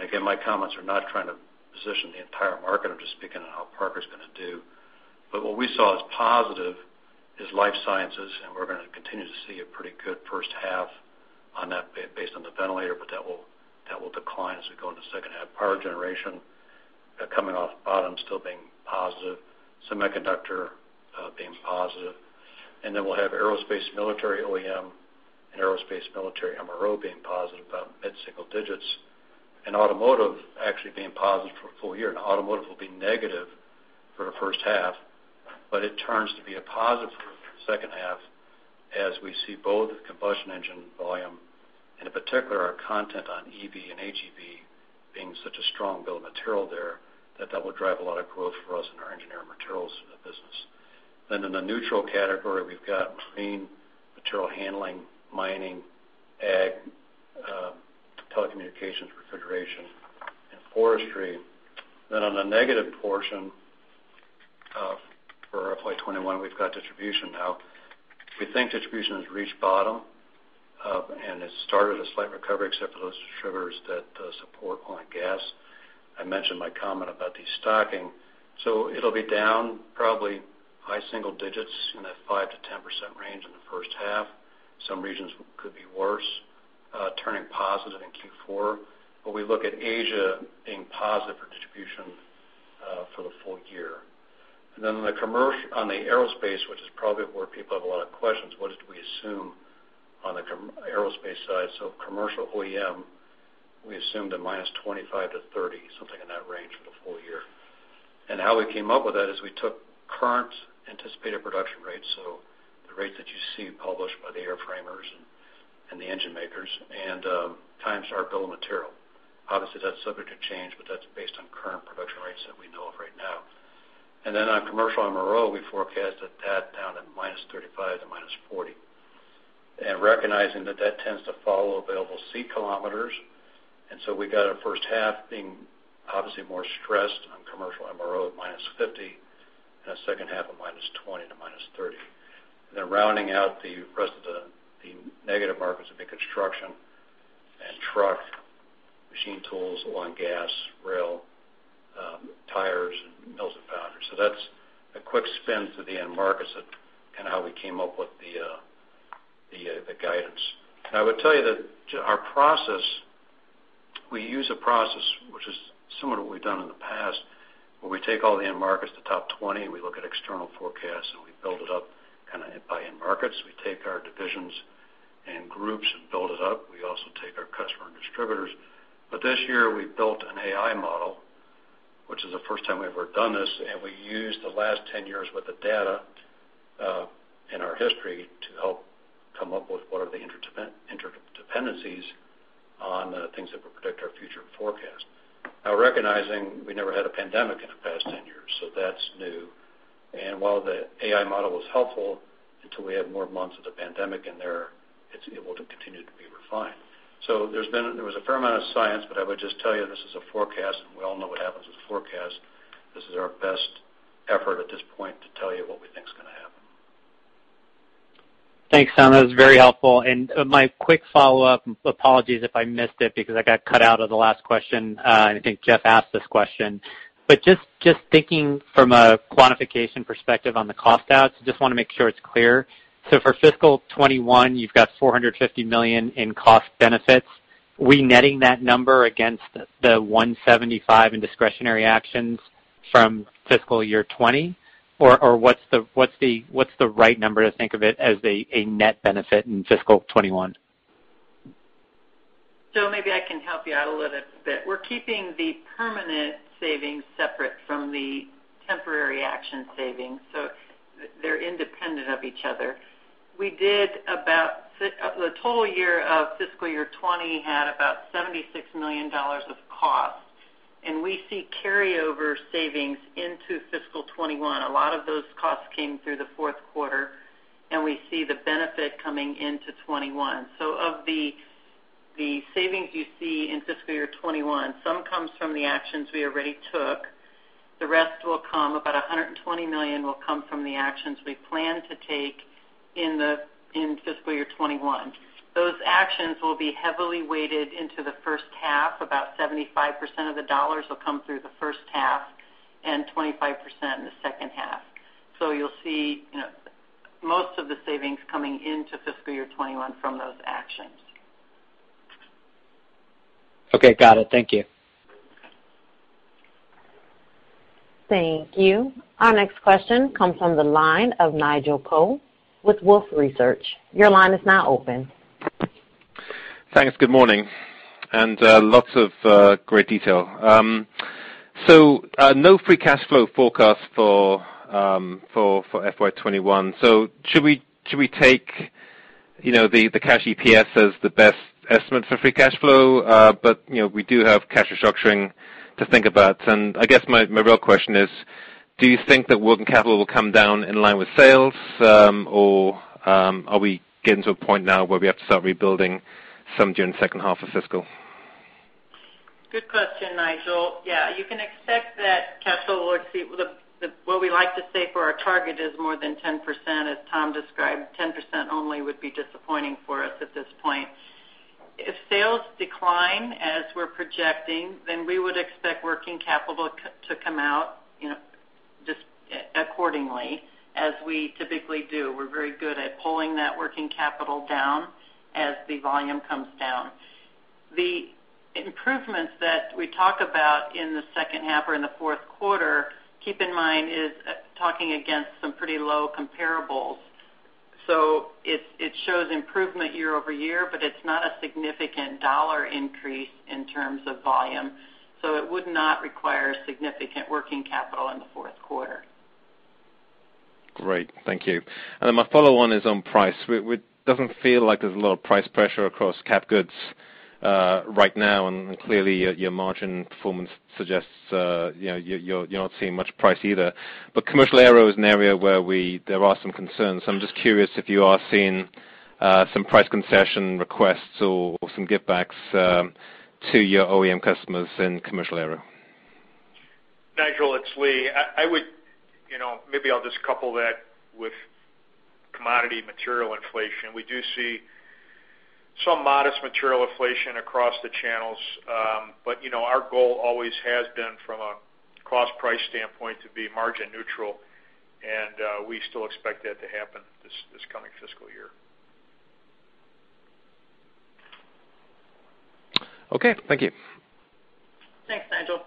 again, my comments are not trying to position the entire market, I'm just speaking on how Parker's going to do. What we saw as positive is life sciences, we're going to continue to see a pretty good first half on that based on the ventilator, that will decline as we go into the second half. Power generation coming off bottom, still being positive. Semiconductor being positive. Then we'll have aerospace military OEM and aerospace military MRO being positive, about mid-single digits. Automotive actually being positive for a full year. Automotive will be negative for the first half, but it turns to be a positive for the second half as we see both combustion engine volume and in particular, our content on EV and HEV being such a strong bill of material there that will drive a lot of growth for us in our engineering materials business. In the neutral category, we've got marine, material handling, mining, ag, telecommunications, refrigeration, and forestry. On the negative portion for FY 2021, we've got distribution now. We think distribution has reached bottom, and it's started a slight recovery except for those distributors that support oil and gas. I mentioned my comment about destocking. It'll be down probably high single digits in that 5%-10% range in the first half. Some regions could be worse, turning positive in Q4. We look at Asia being positive for distribution for the full year. On the aerospace, which is probably where people have a lot of questions, what did we assume on the aerospace side? Commercial OEM, we assumed a -25% to -30%, something in that range for the full year. How we came up with that is we took current anticipated production rates, so the rates that you see published by the airframers and the engine makers, and times our bill of material. Obviously, that's subject to change, but that's based on current production rates that we know of right now. Then on commercial MRO, we forecast that down to -35% to -40%. Recognizing that tends to follow available seat kilometers. We've got our first half being obviously more stressed on commercial MRO at -50%, and a second half of -20% to -30%. Rounding out the rest of the negative markets would be construction and truck, machine tools, oil and gas, rail, tires, and mills and founders. That's a quick spin through the end markets and how we came up with the guidance. I would tell you that our process, we use a process which is similar to what we've done in the past, where we take all the end markets, the top 20, we look at external forecasts, and we build it up by end markets. We take our divisions and groups and build it up. We also take our customer and distributors. This year, we built an AI model, which is the first time we've ever done this, and we used the last 10 years worth of data in our history to help come up with what are the interdependencies on things that would predict our future forecast. Now, recognizing we never had a pandemic in the past 10 years, so that's new. While the AI model was helpful, until we have more months of the pandemic in there, it's able to continue to be refined. There was a fair amount of science, but I would just tell you, this is a forecast, and we all know what happens with forecasts. This is our best effort at this point to tell you what we think is going to happen. Thanks, Tom. That was very helpful. My quick follow-up, apologies if I missed it because I got cut out of the last question. I think Jeff asked this question. Just thinking from a quantification perspective on the cost out, just want to make sure it's clear. For fiscal 2021, you've got $450 million in cost benefits. Are we netting that number against the $175 in discretionary actions from fiscal year 2020? What's the right number to think of it as a net benefit in fiscal 2021? Maybe I can help you out a little bit. We're keeping the permanent savings separate from the temporary action savings, so they're independent of each other. The total year of fiscal year 2020 had about $76 million of costs, and we see carryover savings into fiscal 2021. A lot of those costs came through the fourth quarter, and we see the benefit coming into 2021. Of the savings you see in fiscal year 2021, some comes from the actions we already took. The rest will come, about $120 million will come from the actions we plan to take in fiscal year 2021. Those actions will be heavily weighted into the first half. About 75% of the dollars will come through the first half and 25% in the second half. You'll see most of the savings coming into fiscal year 2021 from those actions. Okay, got it. Thank you. Thank you. Our next question comes from the line of Nigel Coe with Wolfe Research. Your line is now open. Thanks. Good morning. Lots of great detail. No free cash flow forecast for FY 2021. Should we take the cash EPS as the best estimate for free cash flow? We do have cash restructuring to think about. I guess my real question is, do you think that working capital will come down in line with sales, or are we getting to a point now where we have to start rebuilding some during the second half of fiscal? Good question, Nigel. You can expect that what we like to say for our target is more than 10%, as Tom described. 10% only would be disappointing for us at this point. If sales decline as we're projecting, we would expect working capital to come out just accordingly as we typically do. We're very good at pulling that working capital down as the volume comes down. The improvements that we talk about in the second half or in the fourth quarter, keep in mind, is talking against some pretty low comparables. It shows improvement year-over-year, but it's not a significant dollar increase in terms of volume, it would not require significant working capital in the fourth quarter. Great. Thank you. My follow-on is on price. It doesn't feel like there's a lot of price pressure across cap goods right now, and clearly, your margin performance suggests you're not seeing much price either. Commercial aero is an area where there are some concerns. I'm just curious if you are seeing some price concession requests or some givebacks to your OEM customers in commercial aero. Nigel, it's Lee. Maybe I'll just couple that with commodity material inflation. We do see some modest material inflation across the channels. Our goal always has been, from a cost price standpoint, to be margin neutral, and we still expect that to happen this coming fiscal year. Okay. Thank you. Thanks, Nigel.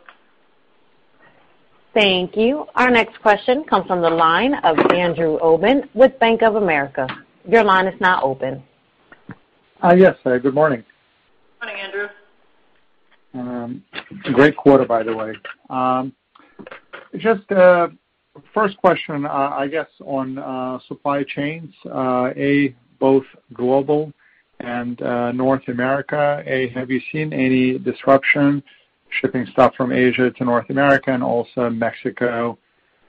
Thank you. Our next question comes from the line of Andrew Obin with Bank of America. Your line is now open. Yes. Good morning. Morning, Andrew. Great quarter, by the way. Just first question, I guess, on supply chains, both global and North America, have you seen any disruption shipping stuff from Asia to North America and also Mexico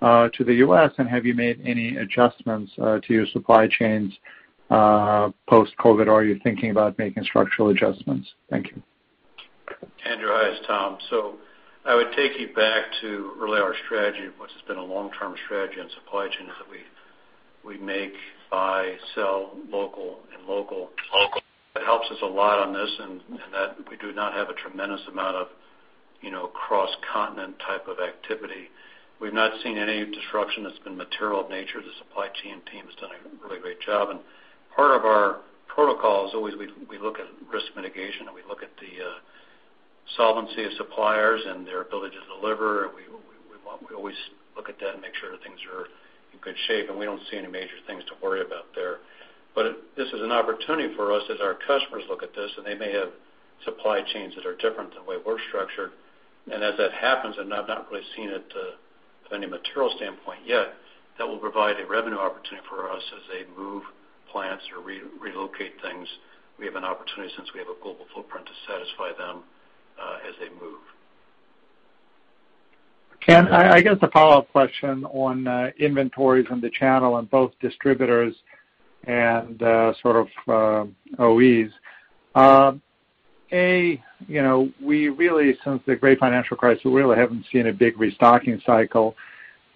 to the U.S.? Have you made any adjustments to your supply chains post-COVID-19? Are you thinking about making structural adjustments? Thank you. Andrew, hi. It's Tom. I would take you back to really our strategy, which has been a long-term strategy on supply chain, that we make, buy, sell local and local. It helps us a lot on this in that we do not have a tremendous amount of cross-continent type of activity. We've not seen any disruption that's been material in nature. The supply chain team has done a really great job. Part of our protocol is always we look at risk mitigation, and we look at the solvency of suppliers and their ability to deliver. We always look at that and make sure that things are in good shape, and we don't see any major things to worry about there. This is an opportunity for us as our customers look at this, and they may have supply chains that are different than the way we're structured. As that happens, and I've not really seen it from any material standpoint yet, that will provide a revenue opportunity for us as they move plants or relocate things. We have an opportunity since we have a global footprint to satisfy them as they move. Ken, I guess a follow-up question on inventories and the channel and both distributors and sort of OEs. Since the great financial crisis, we really haven't seen a big restocking cycle.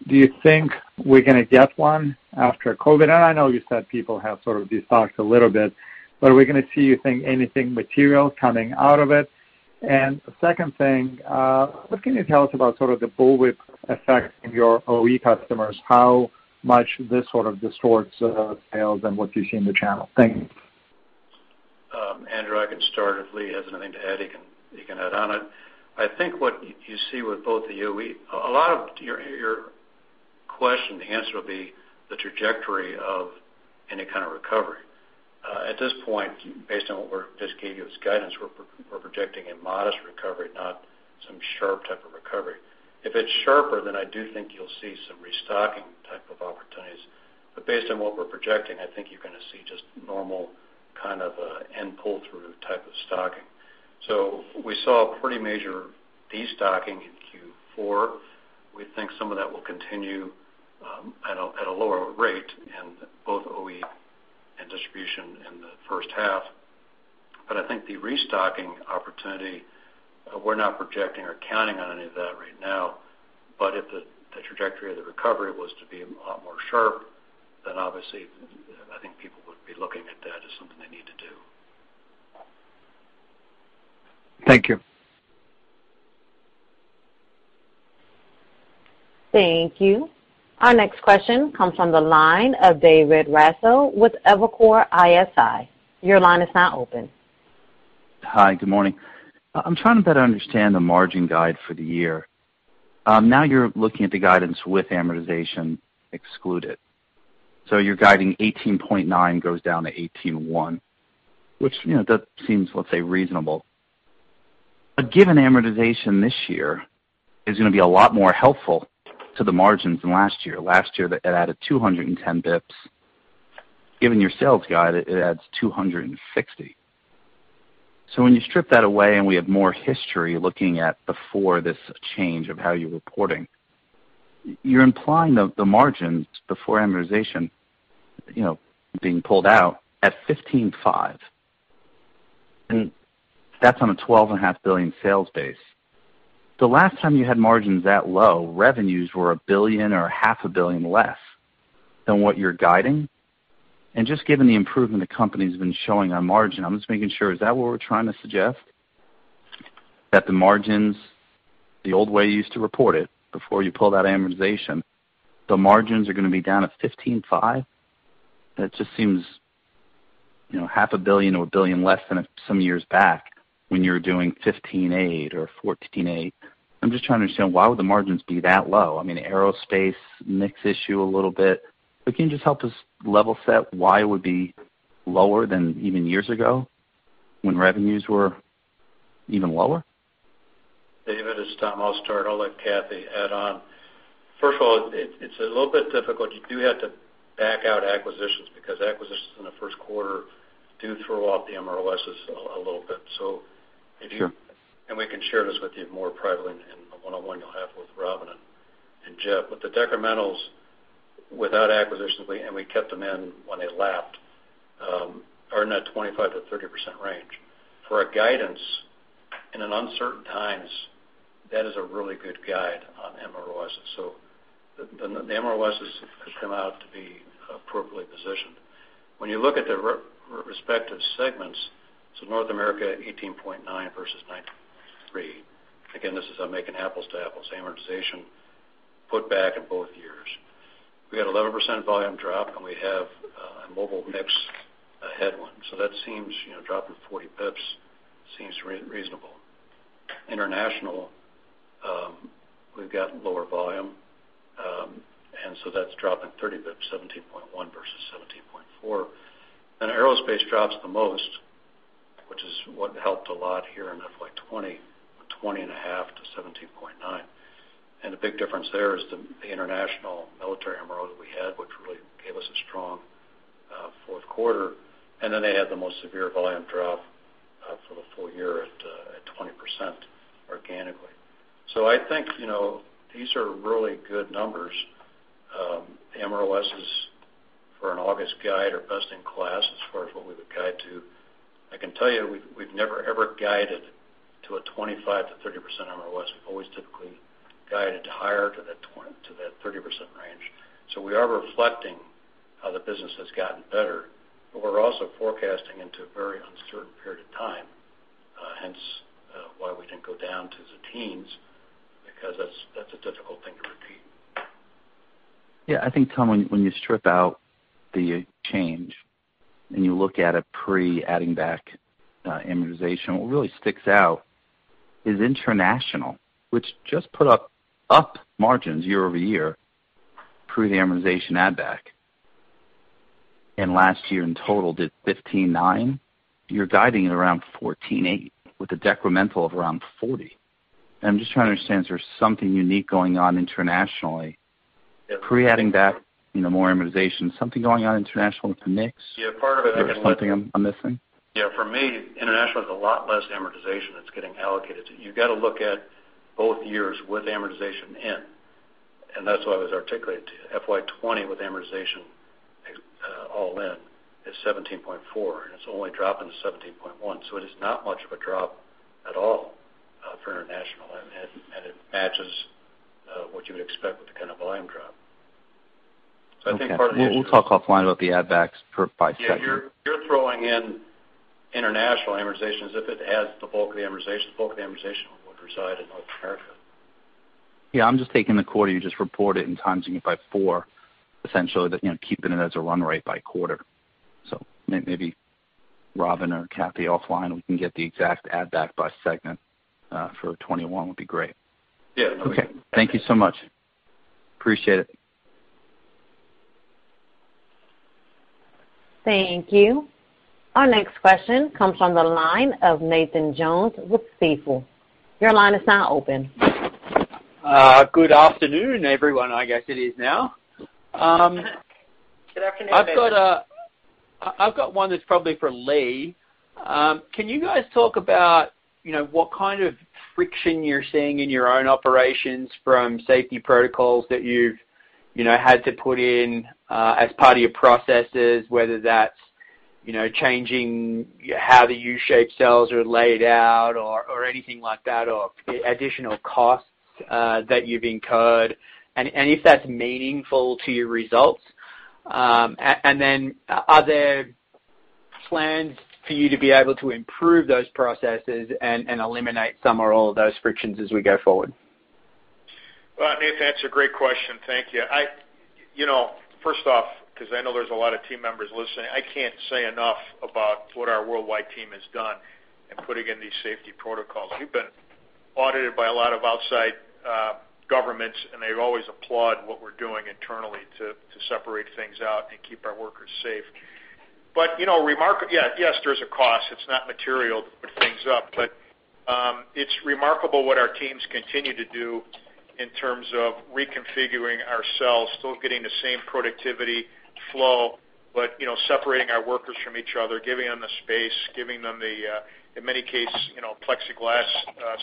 Do you think we're going to get one after COVID? I know you said people have sort of destocked a little bit, but are we going to see, you think, anything material coming out of it? The second thing, what can you tell us about sort of the bullwhip effect in your OE customers? How much this sort of distorts sales and what you see in the channel? Thank you. Andrew, I can start. If Lee has anything to add, he can add on it. A lot of your question, the answer will be the trajectory of any kind of recovery. At this point, based on what we just gave you as guidance, we're projecting a modest recovery, not some sharp type of recovery. If it's sharper, I do think you'll see some restocking type of opportunities. Based on what we're projecting, I think you're going to see just normal kind of an end pull-through type of stocking. We saw a pretty major destocking in Q4. We think some of that will continue at a lower rate in both OE and distribution in the first half. I think the restocking opportunity, we're not projecting or counting on any of that right now. If the trajectory of the recovery was to be a lot more sharp, then obviously, I think people would be looking at that as something they need to do. Thank you. Thank you. Our next question comes from the line of David Raso with Evercore ISI. Your line is now open. Hi, good morning. You're looking at the guidance with amortization excluded. You're guiding 18.9 goes down to 18.1, which that seems, let's say, reasonable. Given amortization this year is going to be a lot more helpful to the margins than last year. Last year, it added 210 basis points. Given your sales guide, it adds 260. When you strip that away, and we have more history looking at before this change of how you're reporting, you're implying the margins before amortization being pulled out at 15.5, and that's on a $12.5 billion sales base. The last time you had margins that low, revenues were 1 billion or half a billion less than what you're guiding. Just given the improvement the company's been showing on margin, I'm just making sure, is that what we're trying to suggest? That the margins, the old way you used to report it, before you pull that amortization, the margins are going to be down at 15.5%? That seems half a billion or $1 billion less than some years back when you were doing 15.8% or 14.8%. I'm just trying to understand why would the margins be that low? I mean, aerospace mix issue a little bit, but can you just help us level set why it would be lower than even years ago when revenues were even lower? David, it's Tom. I'll start. I'll let Kathy add on. First of all, it's a little bit difficult. You do have to back out acquisitions because acquisitions in the first quarter do throw off the MROS a little bit. Sure. We can share this with you more privately in the one-on-one you'll have with Robin and Jeff. The decrementals without acquisitions, and we kept them in when they lapped, are in that 25%-30% range. For a guidance in an uncertain times, that is a really good guide on MROs. The MROs has come out to be appropriately positioned. When you look at the respective segments, so North America, 18.9 versus 19.3. Again, this is making apples to apples, amortization put back in both years. We had 11% volume drop, and we have a mobile mix headwind. A drop of 40 basis points seems reasonable. International, we've got lower volume, that's dropping 30 basis points, 17.1 versus 17.4. Aerospace drops the most. Which is what helped a lot here in FY 2020, 20.5 to 17.9. The big difference there is the international military MRO that we had, which really gave us a strong fourth quarter. Then they had the most severe volume drop for the full year at 20% organically. I think these are really good numbers. AMRLS is for an August guide or best in class as far as what we would guide to. I can tell you, we've never, ever guided to a 25%-30% AMRLS. We've always typically guided to higher to that 30% range. We are reflecting how the business has gotten better, but we're also forecasting into a very uncertain period of time. Why we didn't go down to the teens, because that's a difficult thing to repeat. Yeah. I think, Tom, when you strip out the change and you look at it pre adding back amortization, what really sticks out is international, which just put up margins year-over-year through the amortization add back. Last year in total did 15.9%. You're guiding it around 14.8% with a decremental of around 40%. I'm just trying to understand if there's something unique going on internationally. Yeah pre adding back more amortization. Something going on international with the mix? Yeah, part of it. Something I'm missing? Yeah. For me, international has a lot less amortization that's getting allocated. You've got to look at both years with amortization in, and that's why I was articulating it to you. FY 2020 with amortization all in is 17.4%, and it's only dropping to 17.1%. It is not much of a drop at all for international, and it matches what you would expect with the kind of volume drop. Okay. We'll talk offline about the add backs per by segment. Yeah. You're throwing in international amortization as if it adds to the bulk of the amortization. The bulk of the amortization would reside in North America. Yeah. I'm just taking the quarter you just reported and timesing it by four, essentially, keeping it as a run rate by quarter. Maybe Robin or Kathy offline, we can get the exact add back by segment for 2021 would be great. Yeah. No worries. Okay. Thank you so much. Appreciate it. Thank you. Our next question comes from the line of Nathan Jones with Stifel. Your line is now open. Good afternoon, everyone. I guess it is now. Good afternoon, Nathan. I've got one that's probably for Lee. Can you guys talk about what kind of friction you're seeing in your own operations from safety protocols that you've had to put in as part of your processes, whether that's changing how the U-shaped cells are laid out or anything like that, or additional costs that you've incurred, and if that's meaningful to your results? Are there plans for you to be able to improve those processes and eliminate some or all of those frictions as we go forward? Well, Nathan, that's a great question. Thank you. First off, because I know there's a lot of team members listening, I can't say enough about what our worldwide team has done in putting in these safety protocols. We've been audited by a lot of outside governments, and they've always applaud what we're doing internally to separate things out and keep our workers safe. Yes, there's a cost. It's not material to put things up, but it's remarkable what our teams continue to do in terms of reconfiguring ourselves, still getting the same productivity flow, but separating our workers from each other, giving them the space, giving them the in many cases, plexiglass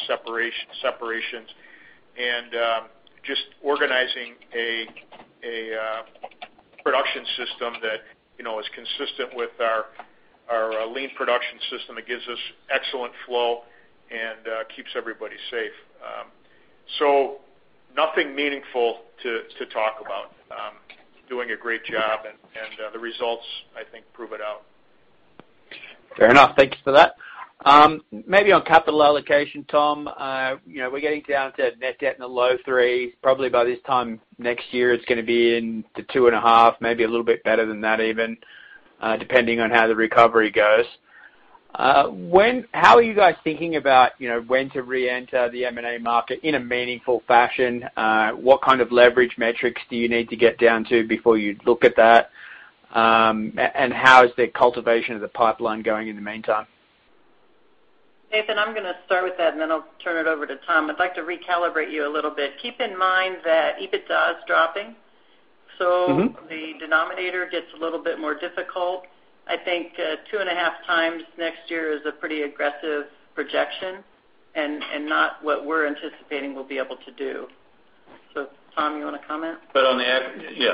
separations, and just organizing a production system that is consistent with our lean production system that gives us excellent flow and keeps everybody safe. Nothing meaningful to talk about. Doing a great job, and the results, I think, prove it out. Fair enough. Thank you for that. Maybe on capital allocation, Tom. We're getting down to net debt in the low 3s. Probably by this time next year, it is going to be in the 2.5, maybe a little bit better than that even, depending on how the recovery goes. How are you guys thinking about when to reenter the M&A market in a meaningful fashion? What kind of leverage metrics do you need to get down to before you would look at that? How is the cultivation of the pipeline going in the meantime? Nathan, I'm going to start with that, and then I'll turn it over to Tom. I'd like to recalibrate you a little bit. Keep in mind that EBITDA is dropping. The denominator gets a little bit more difficult. I think 2.5x next year is a pretty aggressive projection and not what we're anticipating we'll be able to do. Tom, you want to comment? Yeah.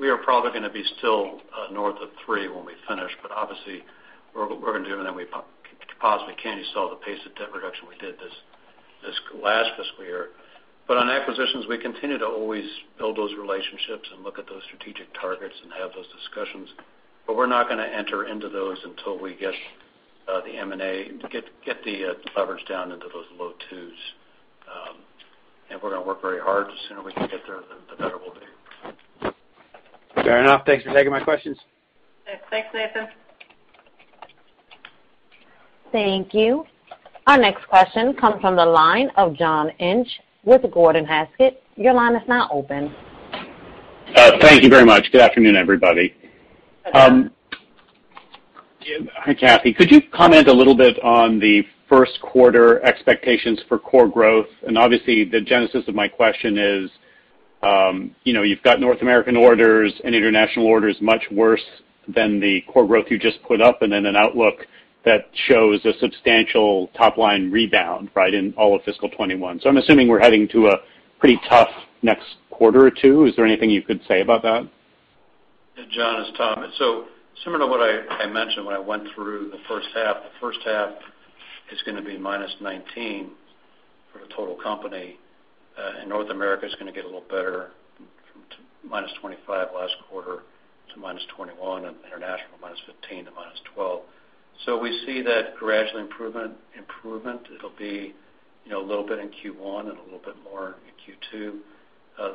We are probably going to be still north of three when we finish, but obviously we're going to do everything we possibly can. You saw the pace of debt reduction we did this last fiscal year. On acquisitions, we continue to always build those relationships and look at those strategic targets and have those discussions. We're not going to enter into those until we get the leverage down into those low twos. We're going to work very hard. The sooner we can get there, the better we'll be. Fair enough. Thanks for taking my questions. Thanks, Nathan. Thank you. Our next question comes from the line of John Inch with Gordon Haskett. Your line is now open. Thank you very much. Good afternoon, everybody. Hi. Hi, Kathy. Could you comment a little bit on the first quarter expectations for core growth? Obviously the genesis of my question is, you've got North American orders and international orders much worse than the core growth you just put up, then an outlook that shows a substantial top-line rebound, right, in all of fiscal 2021? I'm assuming we're heading to a pretty tough next quarter or two. Is there anything you could say about that? Yeah, John, it's Tom. Similar to what I mentioned when I went through the first half, the first half is going to be -19% for the total company. North America's going to get a little better, from -25% last quarter to -21%, and international, -15% to -12%. We see that gradual improvement. It'll be a little bit in Q1 and a little bit more in Q2.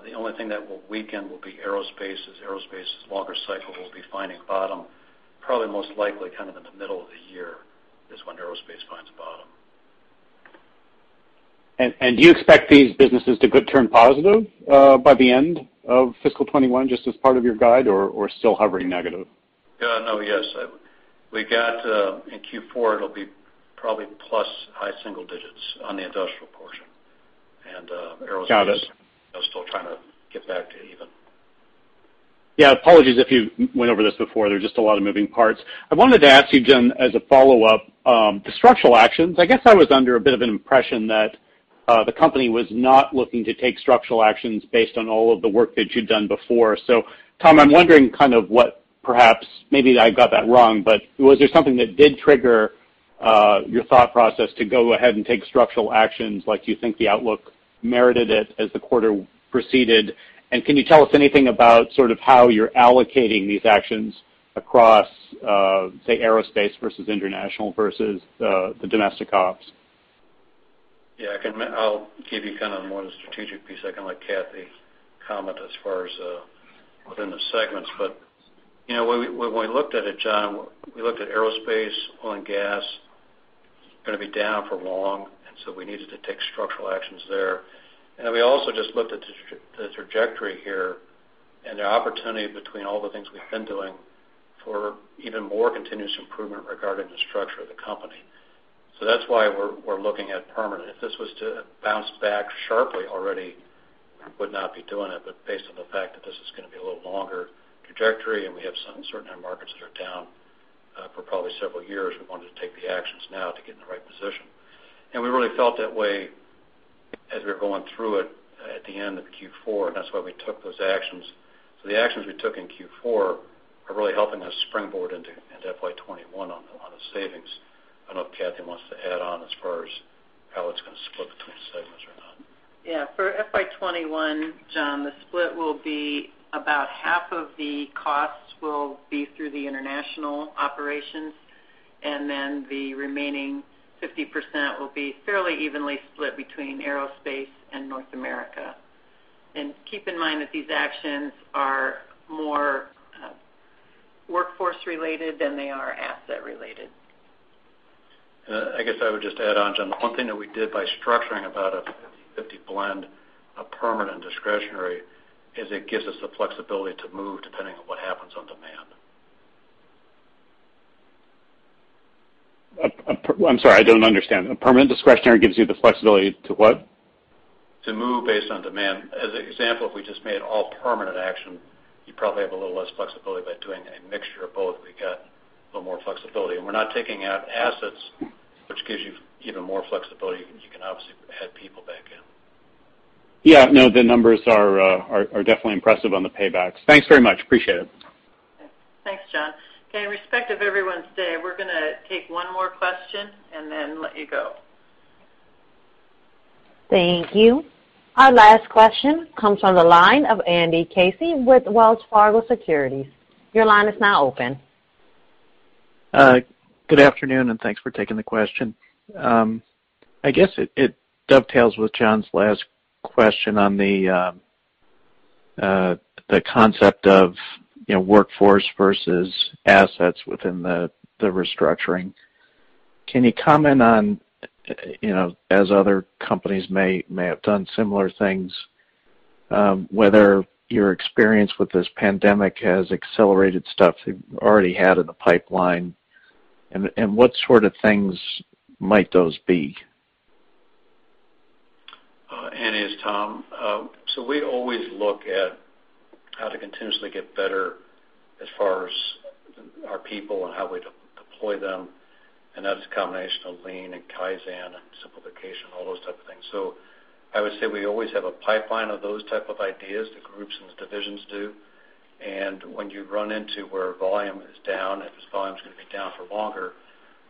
The only thing that will weaken will be Aerospace. As Aerospace is a longer cycle, we'll be finding bottom probably most likely kind of in the middle of the year is when Aerospace finds bottom. Do you expect these businesses to turn positive by the end of fiscal 2021 just as part of your guide, or still hovering negative? No, yes. We got in Q4, it'll be probably plus high single digits on the industrial portion. Got it. still trying to get back to even. Apologies if you went over this before. There are just a lot of moving parts. I wanted to ask you, Tom, as a follow-up, the structural actions, I guess I was under a bit of an impression that the company was not looking to take structural actions based on all of the work that you'd done before. Tom, I'm wondering kind of what, perhaps maybe I got that wrong, but was there something that did trigger your thought process to go ahead and take structural actions? Like, do you think the outlook merited it as the quarter proceeded? Can you tell us anything about sort of how you're allocating these actions across, say, aerospace versus international versus the domestic ops? I'll give you kind of more the strategic piece. I can let Kathy comment as far as within the segments. When we looked at it, John, we looked at Aerospace, oil and gas, going to be down for long, we needed to take structural actions there. Then we also just looked at the trajectory here and the opportunity between all the things we've been doing for even more continuous improvement regarding the structure of the company. That's why we're looking at permanent. If this was to have bounced back sharply already, would not be doing it. Based on the fact that this is going to be a little longer trajectory, and we have certain end markets that are down for probably several years, we wanted to take the actions now to get in the right position. We really felt that way as we were going through it at the end of Q4, and that's why we took those actions. The actions we took in Q4 are really helping us springboard into FY 2021 on a lot of savings. I don't know if Kathy wants to add on as far as how it's going to split between segments or not. For FY 2021, John, the split will be about half of the costs will be through the international operations. The remaining 50% will be fairly evenly split between aerospace and North America. Keep in mind that these actions are more workforce related than they are asset related. I guess I would just add on, John, one thing that we did by structuring about a 50 blend of permanent and discretionary is it gives us the flexibility to move depending on what happens on demand. I'm sorry, I don't understand. A permanent discretionary gives you the flexibility to what? To move based on demand. As an example, if we just made all permanent action, you probably have a little less flexibility. By doing a mixture of both, we got a little more flexibility. We're not taking out assets, which gives you even more flexibility. You can obviously add people back in. Yeah, no, the numbers are definitely impressive on the paybacks. Thanks very much. Appreciate it. Yeah. Thanks, John. Okay, in respect of everyone's day, we're going to take one more question and then let you go. Thank you. Our last question comes on the line of Andrew Casey with Wells Fargo Securities. Your line is now open. Good afternoon. Thanks for taking the question. I guess it dovetails with John's last question on the concept of workforce versus assets within the restructuring. Can you comment on, as other companies may have done similar things, whether your experience with this pandemic has accelerated stuff you already had in the pipeline, and what sort of things might those be? Andy, it's Tom. We always look at how to continuously get better as far as our people and how we deploy them, and that's a combination of lean and Kaizen and Simplification, all those type of things. I would say we always have a pipeline of those type of ideas, the groups and the divisions do. When you run into where volume is down, and if volume's going to be down for longer,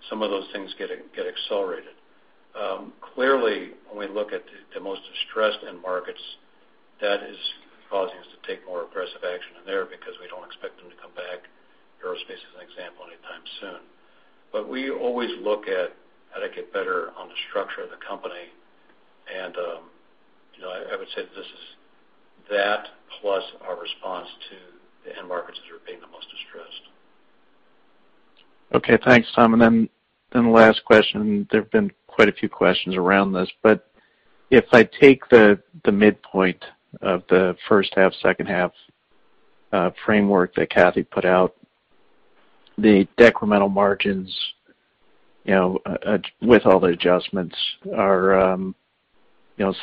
some of those things get accelerated. Clearly, when we look at the most distressed end markets, that is causing us to take more aggressive action in there because we don't expect them to come back, Aerospace is an example, anytime soon. We always look at how to get better on the structure of the company, and I would say that this is that plus our response to the end markets that are being the most distressed. Okay, thanks, Tom. Last question, there've been quite a few questions around this, but if I take the midpoint of the first half, second half framework that Kathy put out, the decremental margins with all the adjustments are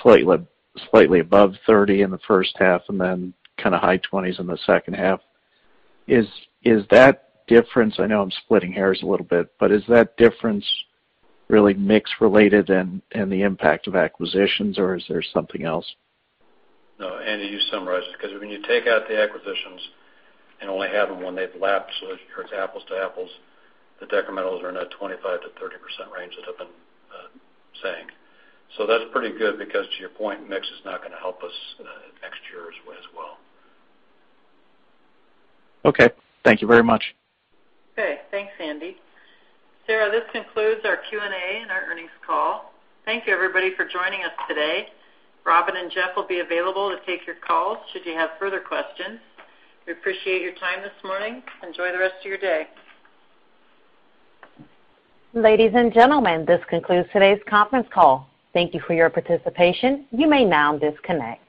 slightly above 30 in the first half and then kind of high 20s in the second half. Is that difference, I know I'm splitting hairs a little bit, but is that difference really mix related and the impact of acquisitions, or is there something else? No, Andy, you summarized it, because when you take out the acquisitions and only have them when they've lapsed so that it compares apples to apples, the decrementals are in a 25%-30% range that I've been saying. That's pretty good because to your point, mix is not going to help us next year as well. Okay. Thank you very much. Okay. Thanks, Andy. Sarah, this concludes our Q&A and our earnings call. Thank you everybody for joining us today. Robin and Jeff will be available to take your calls should you have further questions. We appreciate your time this morning. Enjoy the rest of your day. Ladies and gentlemen, this concludes today's conference call. Thank you for your participation. You may now disconnect.